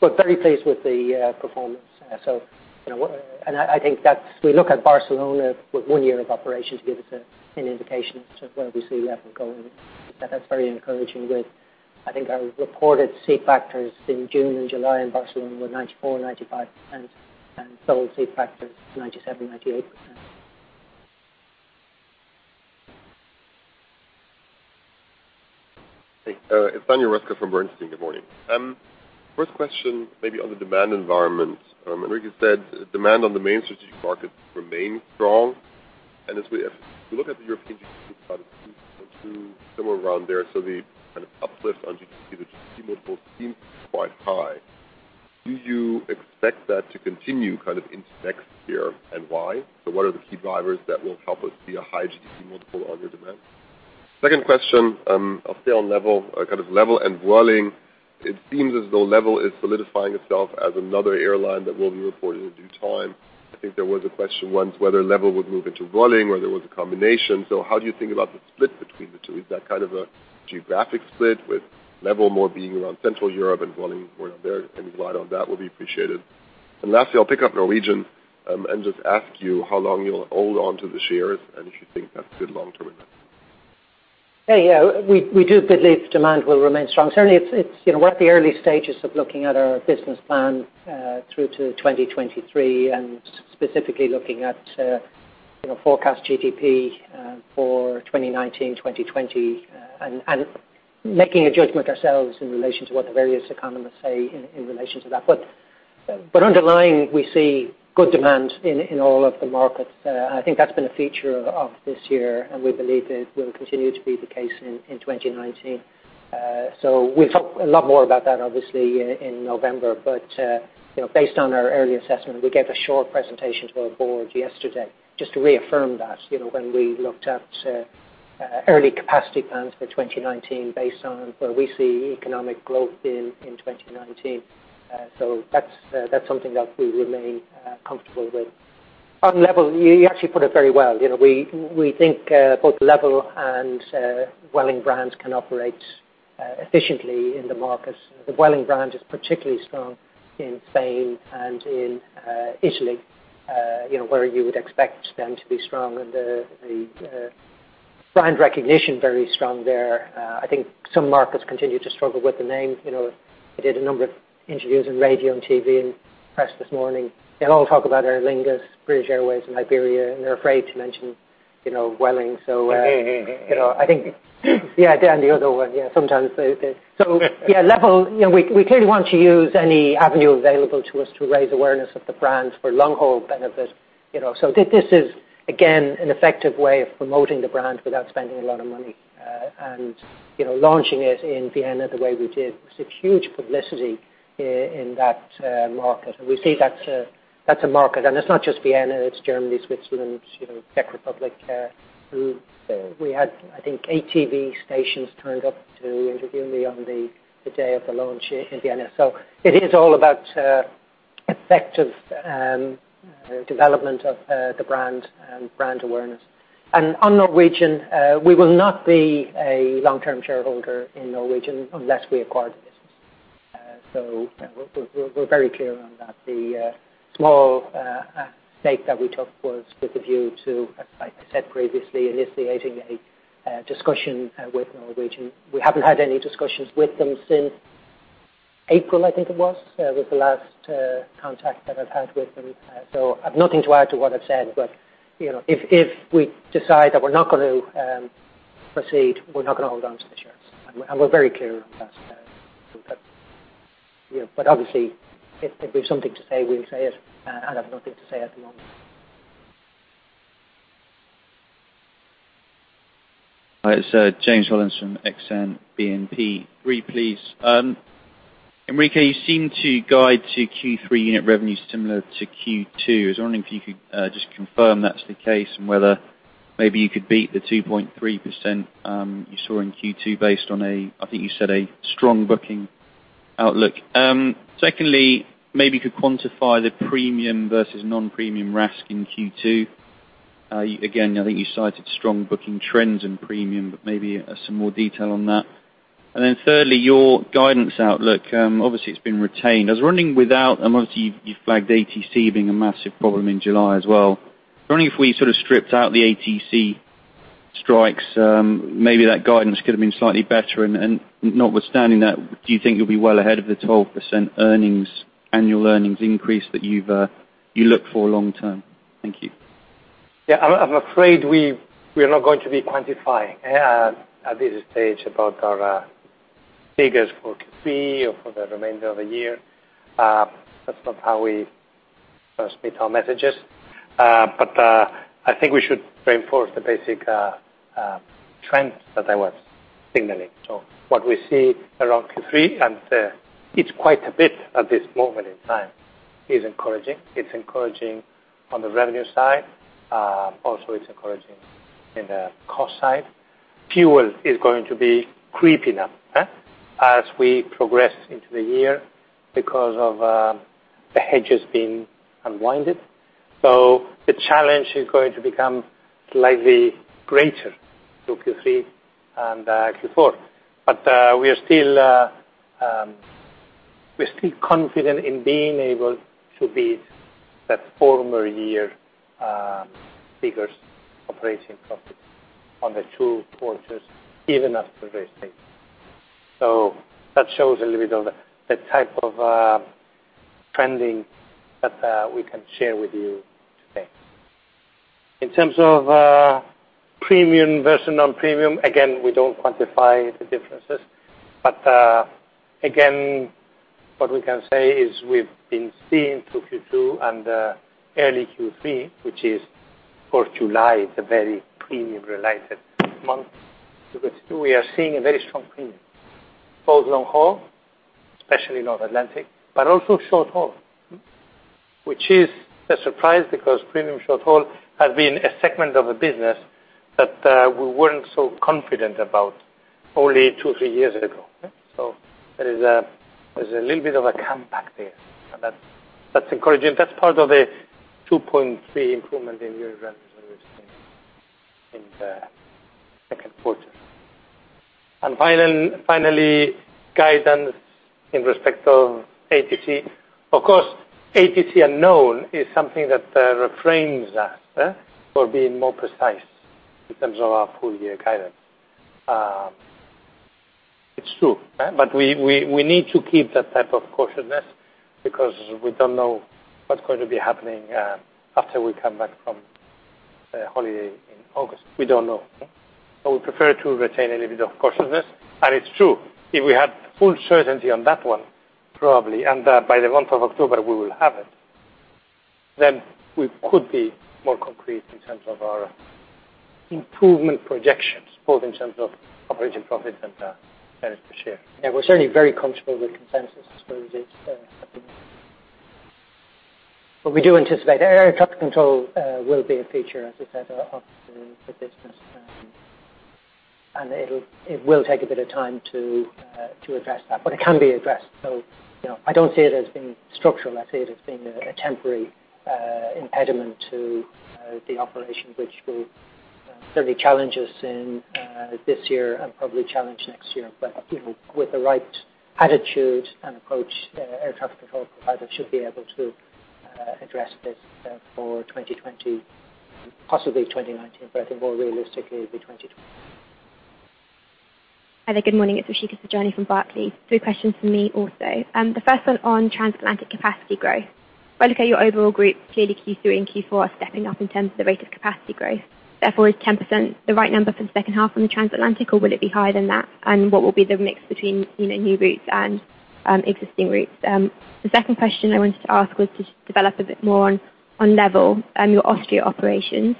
We're very pleased with the performance. We look at Barcelona with one year of operations to give us an indication as to where we see LEVEL going. That's very encouraging with, I think our reported seat factors in June and July in Barcelona were 94%-95%, and sold seat factors 97%-98%. Hey. It's Daniel Roeska from Bernstein. Good morning. First question may be on the demand environment. Enrique said demand on the main strategic markets remain strong, and if we look at the European somewhere around there. The uplift on multiples seems quite high. Do you expect that to continue into next year, and why? What are the key drivers that will help us see a high GDP multiple on your demand? Second question, still on LEVEL. LEVEL and Vueling. It seems as though LEVEL is solidifying itself as another airline that will be reported in due time. I think there was a question once whether LEVEL would move into Vueling, or there was a combination. How do you think about the split between the two? Is that kind of a geographic split with LEVEL more being around Central Europe and Vueling more around there? Any light on that will be appreciated. Lastly, I'll pick up Norwegian, and just ask you how long you'll hold onto the shares and if you think that's a good long-term investment. We do believe demand will remain strong. Certainly, we're at the early stages of looking at our business plan through to 2023, and specifically looking at forecast GDP for 2019, 2020, and making a judgment ourselves in relation to what the various economists say in relation to that. Underlying, we see good demand in all of the markets. I think that's been a feature of this year, and we believe it will continue to be the case in 2019. We'll talk a lot more about that, obviously, in November. Based on our early assessment, we gave a short presentation to our board yesterday just to reaffirm that. When we looked at early capacity plans for 2019 based on where we see economic growth in 2019. That's something that we remain comfortable with. On LEVEL, you actually put it very well. We think both LEVEL and Vueling brands can operate efficiently in the markets. The Vueling brand is particularly strong in Spain and in Italy, where you would expect them to be strong, and the brand recognition very strong there. I think some markets continue to struggle with the name. I did a number of interviews in radio and TV and press this morning. They all talk about Aer Lingus, British Airways and Iberia, and they're afraid to mention Vueling. Yeah, and the other one. Yeah, sometimes. LEVEL, we clearly want to use any avenue available to us to raise awareness of the brand for long haul benefit. This is, again, an effective way of promoting the brand without spending a lot of money. Launching it in Vienna the way we did, was a huge publicity in that market. We see that's a market, and it's not just Vienna, it's Germany, Switzerland, Czech Republic routes. We had, I think 80 TV stations turned up to interview me on the day of the launch in Vienna. It is all about effective development of the brand and brand awareness. On Norwegian, we will not be a long-term shareholder in Norwegian unless we acquire the business. We're very clear on that. The small stake that we took was with a view to, as I said previously, initiating a discussion with Norwegian. We haven't had any discussions with them since April, I think it was, with the last contact that I've had with them. I've nothing to add to what I've said. If we decide that we're not going to proceed, we're not going to hold on to the shares. We're very clear on that. obviously, if we have something to say, we'll say it. I have nothing to say at the moment. It's James Hollins from Exane BNP Paribas. Three, please. Enrique, you seem to guide to Q3 unit revenue similar to Q2. I was wondering if you could just confirm that's the case, and whether maybe you could beat the 2.3% you saw in Q2 based on a, I think you said, a strong booking outlook. Secondly, maybe you could quantify the premium versus non-premium RASK in Q2. Again, I think you cited strong booking trends in premium, but maybe some more detail on that. Then thirdly, your guidance outlook. Obviously, it's been retained. I was wondering without, and obviously you flagged ATC being a massive problem in July as well. I was wondering if we stripped out the ATC strikes, maybe that guidance could have been slightly better. Notwithstanding that, do you think you'll be well ahead of the 12% annual earnings increase that you look for long term? Thank you. I'm afraid we are not going to be quantifying at this stage about our figures for Q3 or for the remainder of the year. That's not how we transmit our messages. I think we should reinforce the basic trends that I was signaling. What we see around Q3, and it's quite a bit at this moment in time, is encouraging. It's encouraging on the revenue side. Also it's encouraging in the cost side. Fuel is going to be creeping up as we progress into the year because of the hedges being unwound. The challenge is going to become slightly greater to Q3 and Q4. We are still confident in being able to beat that former year figures, operating profit on the two quarters, even after restating. That shows a little bit of the type of trending that we can share with you today. In terms of premium versus non-premium, again, we don't quantify the differences. What we can say is we've been seeing through Q2 and early Q3, which is for July, it's a very premium related month. We are seeing a very strong premium, both long haul, especially North Atlantic, but also short haul. Which is a surprise because premium short haul has been a segment of a business that we weren't so confident about only two, three years ago. There's a little bit of a comeback there, and that's encouraging. That's part of the 2.3 improvement in unit revenues we've seen in the second quarter. Finally, guidance in respect of ATC. Of course, ATC unknown is something that refrains us for being more precise in terms of our full year guidance. It's true. We need to keep that type of cautiousness because we don't know what's going to be happening after we come back from holiday in August. We don't know. We prefer to retain a little bit of cautiousness. It's true, if we had full certainty on that one, probably, and by the month of October, we will have it, then we could be more concrete in terms of our improvement projections, both in terms of operating profit and earnings per share. We're certainly very comfortable with consensus as it but we do anticipate air traffic control will be a feature, as I said, of the business. It will take a bit of time to address that, but it can be addressed. I don't see it as being structural. I see it as being a temporary impediment to the operation, which will certainly challenge us in this year and probably challenge next year. With the right attitude and approach, air traffic control providers should be able to address this for 2020, possibly 2019, but I think more realistically it'll be 2020. Hi there. Good morning. It's Rushika Peruni from Barclays. Three questions from me also. The first one on transatlantic capacity growth. If I look at your overall group, clearly Q3 and Q4 are stepping up in terms of the rate of capacity growth. Therefore, is 10% the right number for the second half on the transatlantic, or will it be higher than that? What will be the mix between new routes and existing routes? The second question I wanted to ask was to develop a bit more on Level, your Austria operations,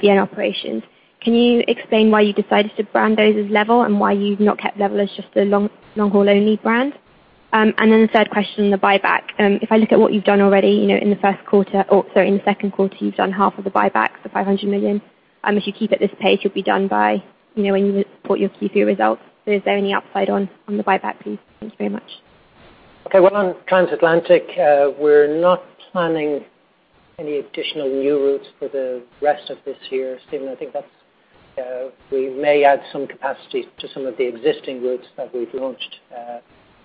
Vienna operations. Can you explain why you decided to brand those as Level and why you've not kept Level as just the long haul only brand? The third question on the buyback. If I look at what you've done already in the first quarter, or sorry, in the second quarter, you've done half of the buyback, the 500 million. If you keep at this pace, you'll be done by when you report your Q3 results. Is there any upside on the buyback, please? Thanks very much. On transatlantic, we're not planning any additional new routes for the rest of this year. Stephen, I think that's, we may add some capacity to some of the existing routes that we've launched,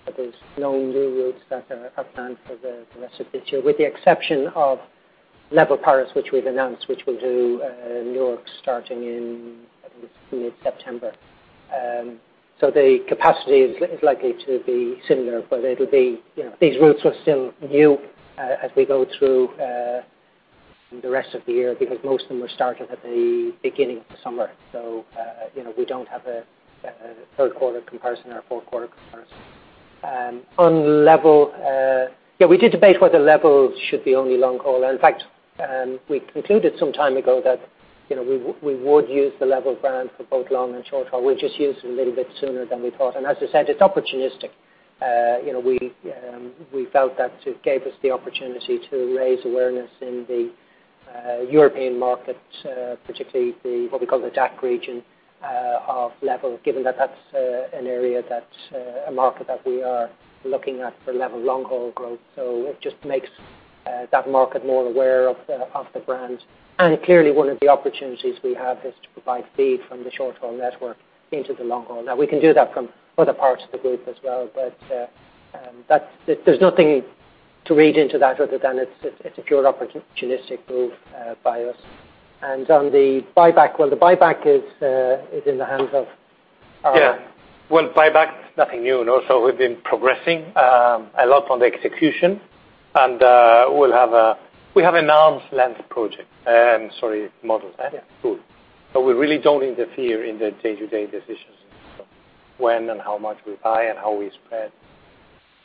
but there's no new routes that are planned for the rest of this year, with the exception of LEVEL Paris, which we've announced, which will do New York starting in, I think it's mid-September. The capacity is likely to be similar, but these routes were still new as we go through the rest of the year because most of them were started at the beginning of the summer. We don't have a third quarter comparison or fourth quarter comparison. On LEVEL, we did debate whether LEVEL should be only long haul. In fact, we concluded some time ago that we would use the LEVEL brand for both long and short haul. We just used it a little bit sooner than we thought. As I said, it's opportunistic. We felt that it gave us the opportunity to raise awareness in the European market, particularly the, what we call the DACH region, of LEVEL, given that that's an area that's a market that we are looking at for LEVEL long haul growth. It just makes that market more aware of the brand. Clearly, one of the opportunities we have is to provide feed from the short haul network into the long haul. We can do that from other parts of the group as well, but there's nothing to read into that other than it's a pure opportunistic move by us. On the buyback, the buyback is in the hands of our- Buyback is nothing new. Also we've been progressing a lot on the execution. We have an arm's length model. We really don't interfere in the day-to-day decisions when and how much we buy and how we spread.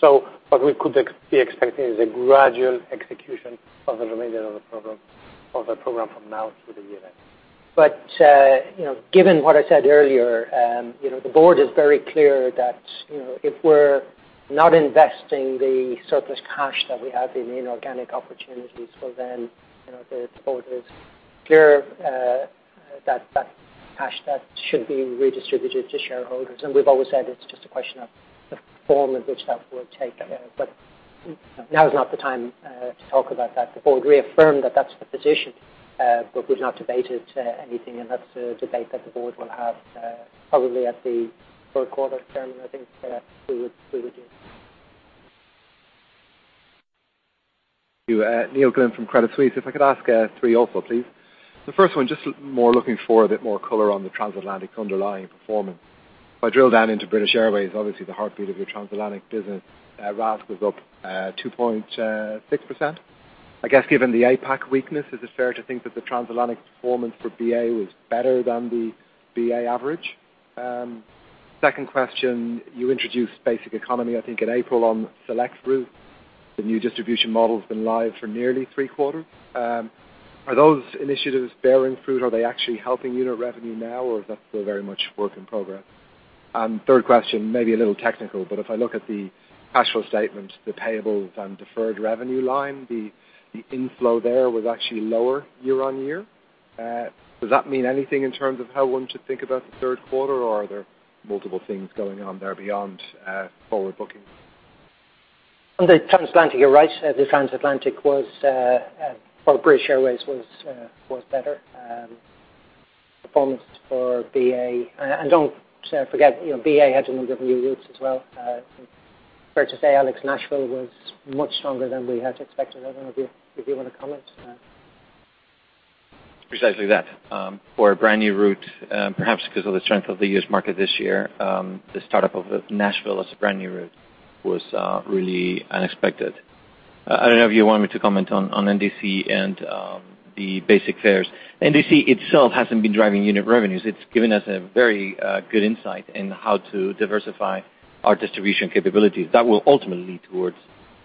What we could be expecting is a gradual execution of the remainder of the program from now through the year end. Given what I said earlier, the board is very clear that if we're not investing the surplus cash that we have in inorganic opportunities, well then, the board is clear that that should be redistributed to shareholders. We've always said it's just a question of the form in which that will take. Now is not the time to talk about that. The board reaffirmed that's the position, but we've not debated anything, and that's a debate that the board will have probably at the third quarter term, and I think we would do. You. Neil Glynn from Credit Suisse. If I could ask three also, please. The first one, just more looking for a bit more color on the transatlantic underlying performance. If I drill down into British Airways, obviously the heartbeat of your transatlantic business, RASK was up 2.6%. I guess given the APAC weakness, is it fair to think that the transatlantic performance for BA was better than the BA average? Second question, you introduced basic economy, I think in April on select routes. The new distribution model has been live for nearly three quarters. Are those initiatives bearing fruit? Are they actually helping unit revenue now, or is that still very much work in progress? Third question, maybe a little technical, but if I look at the cash flow statement, the payables and deferred revenue line, the inflow there was actually lower year-over-year. Does that mean anything in terms of how one should think about the third quarter, or are there multiple things going on there beyond forward bookings? On the transatlantic, you're right. The transatlantic for British Airways was better. Performance for BA, and don't forget, BA had a number of new routes as well. Fair to say Alex, Nashville was much stronger than we had expected. I don't know if you want to comment. Precisely that. For a brand new route, perhaps because of the strength of the U.S. market this year, the startup of Nashville as a brand new route was really unexpected. I don't know if you want me to comment on NDC and the basic fares. NDC itself hasn't been driving unit revenues. It's given us a very good insight in how to diversify our distribution capabilities that will ultimately lead towards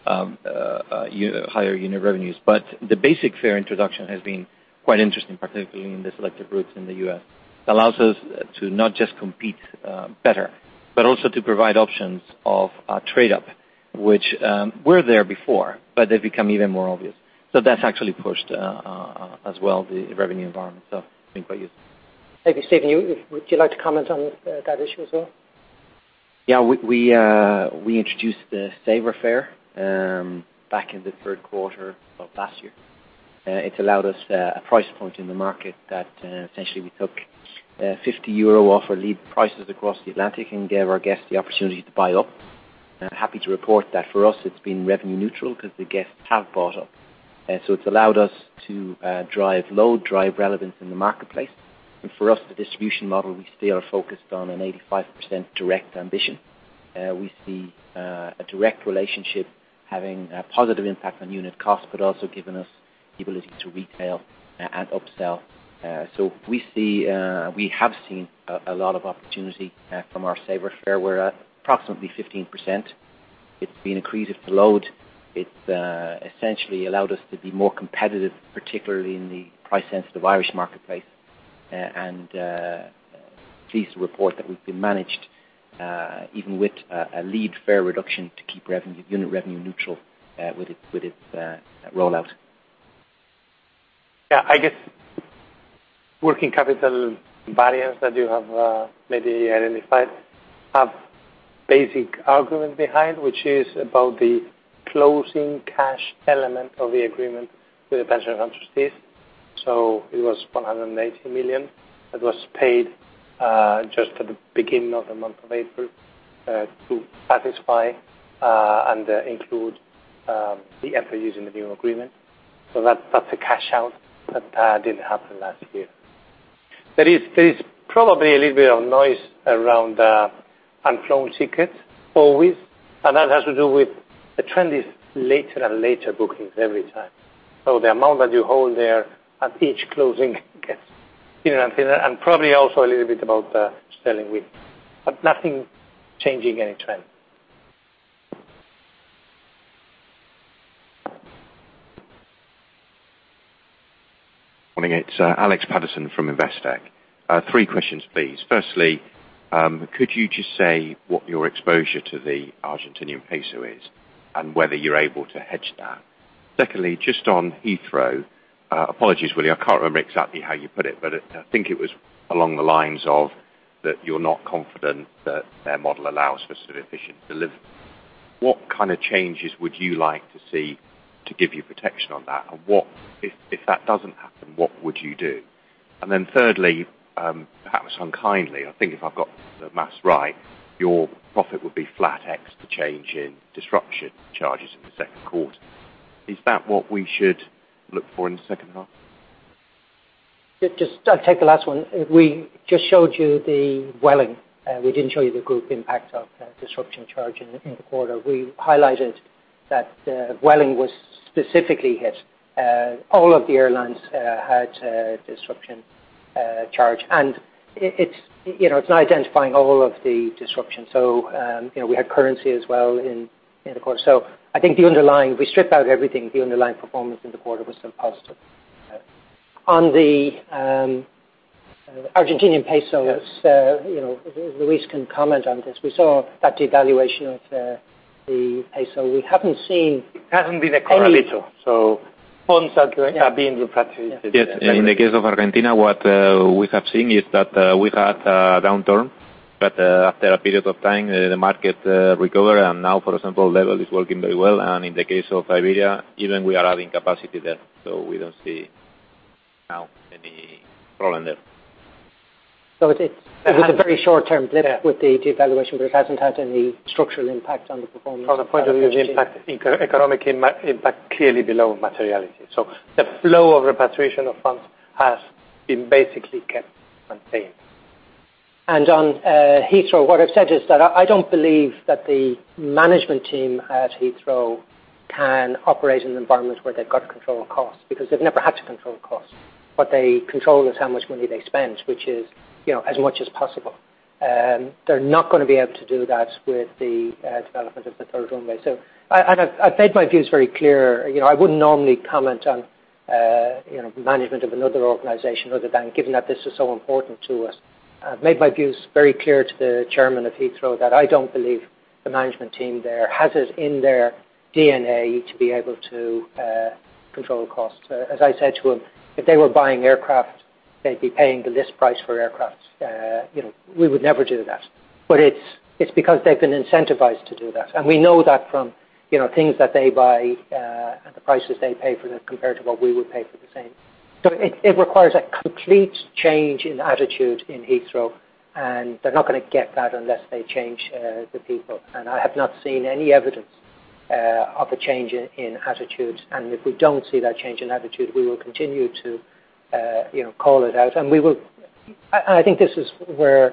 higher unit revenues. The basic fare introduction has been quite interesting, particularly in the selected routes in the U.S. It allows us to not just compete better, but also to provide options of trade up, which were there before, but they've become even more obvious. That's actually pushed as well the revenue environment, it's been quite useful. Maybe Stephen, would you like to comment on that issue as well? We introduced the saver fare back in the third quarter of last year. It's allowed us a price point in the market that essentially we took 50 euro off our lead prices across the Atlantic and gave our guests the opportunity to buy up. Happy to report that for us, it's been revenue neutral because the guests have bought up. It's allowed us to drive load, drive relevance in the marketplace. For us, the distribution model, we still are focused on an 85% direct ambition. We see a direct relationship having a positive impact on unit cost, but also giving us the ability to retail and upsell. We have seen a lot of opportunity from our saver fare. We're at approximately 15%. It's been accretive to load. It's essentially allowed us to be more competitive, particularly in the price-sensitive Irish marketplace. Pleased to report that we've been managed even with a lead fare reduction to keep unit revenue neutral with its rollout. I guess working capital variance that you have maybe identified have basic argument behind, which is about the closing cash element of the agreement with the pension trustees. It was 180 million that was paid just at the beginning of the month of April to satisfy and include the [FIs] in the new agreement. That's a cash out that didn't happen last year. There is probably a little bit of noise around the unflown tickets always, and that has to do with the trend is later and later bookings every time. The amount that you hold there at each closing gets thinner and thinner, and probably also a little bit about the sterling weakness. Nothing changing any trend. Morning, it's Alex Paterson from Investec. Three questions, please. Firstly, could you just say what your exposure to the Argentinian peso is, and whether you're able to hedge that? Secondly, just on Heathrow. Apologies, Willie, I can't remember exactly how you put it, but I think it was along the lines of that you're not confident that their model allows for sufficient delivery. What kind of changes would you like to see to give you protection on that? If that doesn't happen, what would you do? Thirdly, perhaps unkindly, I think if I've got the maths right, your profit would be flat ex the change in disruption charges in the second quarter. Is that what we should look for in the second half? Just take the last one. We just showed you the Vueling. We didn't show you the group impact of disruption charge in the quarter. We highlighted that Vueling was specifically hit. All of the airlines had a disruption charge. It's not identifying all of the disruption. We had currency as well in the quarter. I think if we strip out everything, the underlying performance in the quarter was still positive. On the Argentinian peso- Yes Luis can comment on this. We saw that devaluation of the peso. We haven't seen any- It hasn't been a correlate though. Funds are being repatriated. Yes. In the case of Argentina, what we have seen is that we had a downturn, but after a period of time, the market recovered, and now, for example, LEVEL is working very well. In the case of Iberia, even we are adding capacity there. We don't see now any problem there. It had a very short-term blip with the devaluation, but it hasn't had any structural impact on the performance. From the point of view of impact, economic impact, clearly below materiality. The flow of repatriation of funds has been basically kept and maintained. On Heathrow, what I've said is that I don't believe that the management team at Heathrow can operate in an environment where they've got to control costs, because they've never had to control costs. What they control is how much money they spend, which is as much as possible. They're not going to be able to do that with the development of the third runway. I've made my views very clear. I wouldn't normally comment on management of another organization other than given that this is so important to us. I've made my views very clear to the chairman of Heathrow that I don't believe the management team there has it in their DNA to be able to control costs. As I said to him, if they were buying aircraft, they'd be paying the list price for aircraft. We would never do that. It's because they've been incentivized to do that. We know that from things that they buy and the prices they pay for them compared to what we would pay for the same. It requires a complete change in attitude in Heathrow, and they're not going to get that unless they change the people. I have not seen any evidence of a change in attitude. If we don't see that change in attitude, we will continue to call it out. I think this is where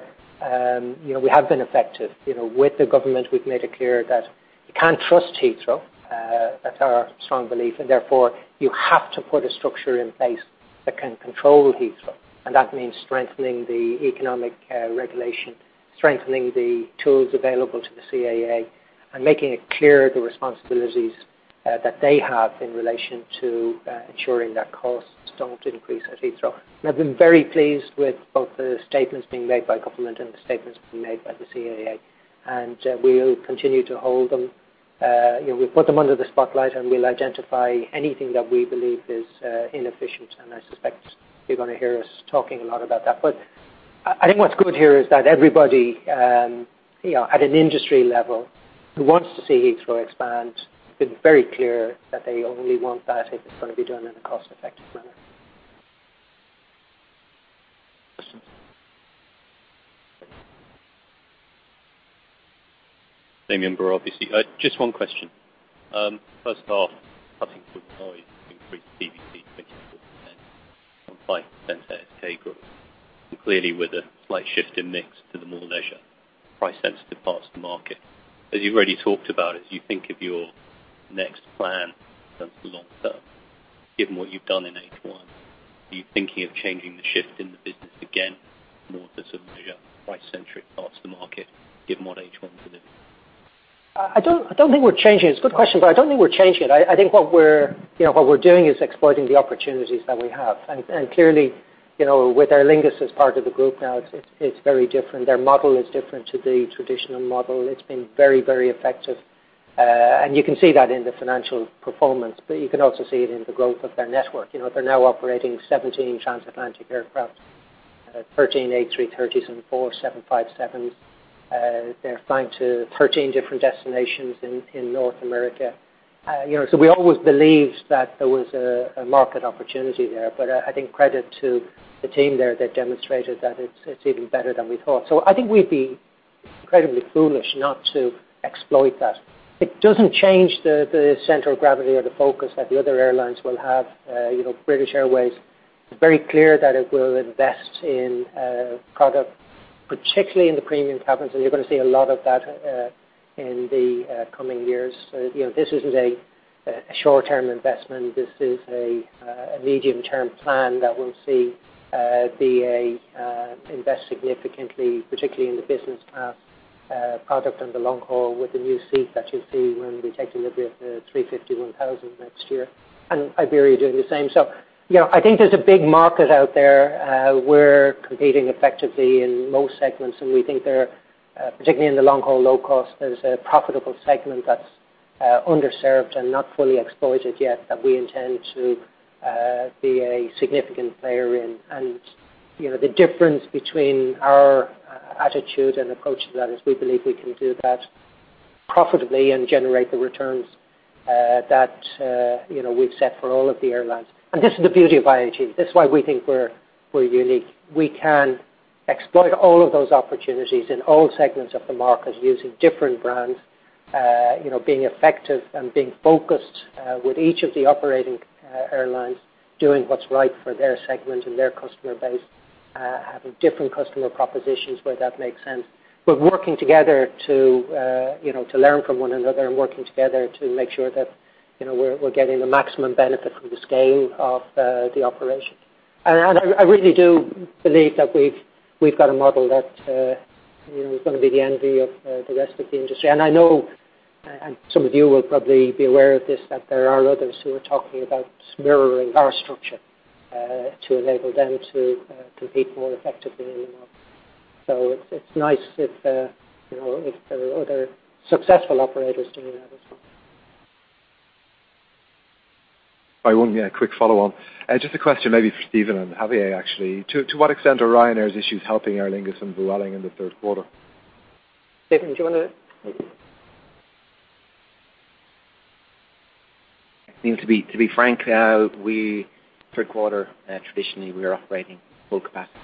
we have been effective. With the government, we've made it clear that you can't trust Heathrow. That's our strong belief, and therefore you have to put a structure in place that can control Heathrow. That means strengthening the economic regulation, strengthening the tools available to the CAA, and making it clear the responsibilities that they have in relation to ensuring that costs don't increase at Heathrow. I've been very pleased with both the statements being made by government and the statements being made by the CAA. We will continue to hold them. We've put them under the spotlight, and we'll identify anything that we believe is inefficient. I suspect you're going to hear us talking a lot about that. I think what's good here is that everybody at an industry level who wants to see Heathrow expand, it's very clear that they only want that if it's going to be done in a cost-effective manner. Same here, obviously. Just one question. First off, cutting through noise, increased PPC 24% on 5% at ASK growth. Clearly with a slight shift in mix to the more leisure, price-sensitive parts of the market. As you've already talked about, as you think of your next plan for the long term, given what you've done in H1, are you thinking of changing the shift in the business again more to some of the price-centric parts of the market given what H1's been doing? I don't think we're changing. It's a good question, but I don't think we're changing it. I think what we're doing is exploiting the opportunities that we have. Clearly, with Aer Lingus as part of the group now, it's very different. Their model is different to the traditional model. It's been very, very effective. You can see that in the financial performance, but you can also see it in the growth of their network. They're now operating 17 transatlantic aircraft, 13 A330s and four 757s. They're flying to 13 different destinations in North America. We always believed that there was a market opportunity there. I think credit to the team there, they've demonstrated that it's even better than we thought. I think we'd be incredibly foolish not to exploit that. It doesn't change the central gravity or the focus that the other airlines will have. British Airways is very clear that it will invest in product, particularly in the premium cabins, and you're going to see a lot of that in the coming years. This isn't a short-term investment. This is a medium-term plan that will see BA invest significantly, particularly in the business class product on the long haul with the new seat that you'll see when we take delivery of the A350-1000 next year, and Iberia doing the same. I think there's a big market out there. We're competing effectively in most segments, and we think there, particularly in the long-haul low cost, there's a profitable segment that's underserved and not fully exploited yet that we intend to be a significant player in. The difference between our attitude and approach to that is we believe we can do that profitably and generate the returns that we've set for all of the airlines. This is the beauty of IAG. This is why we think we're unique. We can exploit all of those opportunities in all segments of the market using different brands, being effective and being focused with each of the operating airlines, doing what's right for their segment and their customer base, having different customer propositions where that makes sense. Working together to learn from one another and working together to make sure that we're getting the maximum benefit from the scale of the operation. I really do believe that we've got a model that is going to be the envy of the rest of the industry. I know, and some of you will probably be aware of this, that there are others who are talking about mirroring our structure To enable them to compete more effectively in the market. It's nice if there are other successful operators doing that. I won't be a quick follow on. Just a question maybe for Stephen and Javier, actually. To what extent are Ryanair's issues helping Aer Lingus and Vueling in the third quarter? Stephen, do you want to? I think to be frank, third quarter, traditionally, we are operating full capacity.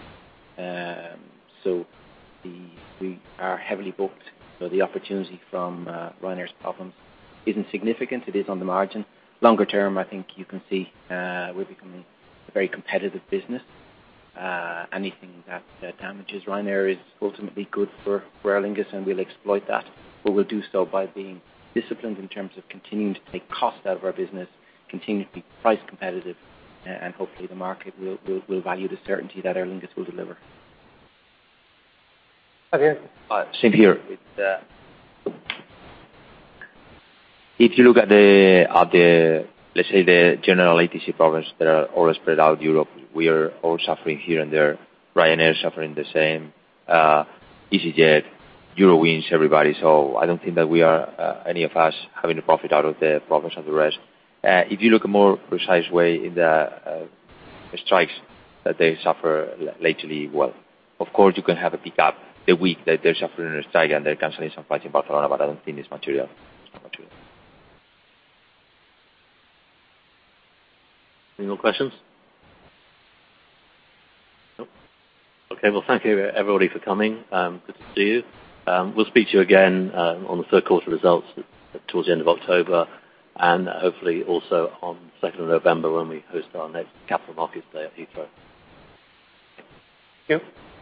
We are heavily booked, so the opportunity from Ryanair's problems isn't significant. It is on the margin. Longer term, I think you can see we're becoming a very competitive business. Anything that damages Ryanair is ultimately good for Aer Lingus, and we'll exploit that. We'll do so by being disciplined in terms of continuing to take cost out of our business, continuing to be price competitive, and hopefully the market will value the certainty that Aer Lingus will deliver. Javier? Same here. If you look at the, let's say the general ATC problems that are all spread out Europe, we are all suffering here and there. Ryanair is suffering the same, easyJet, Eurowings, everybody. I don't think that any of us having a profit out of the problems of the rest. If you look a more precise way in the strikes that they suffer lately, well, of course, you can have a pick-up the week that they're suffering a strike and they're canceling some flights in Barcelona, but I don't think it's material. Any more questions? Nope. Okay. Thank you everybody for coming. Good to see you. We'll speak to you again on the third quarter results towards the end of October, and hopefully also on 2nd of November when we host our next capital markets day at Heathrow. Thank you.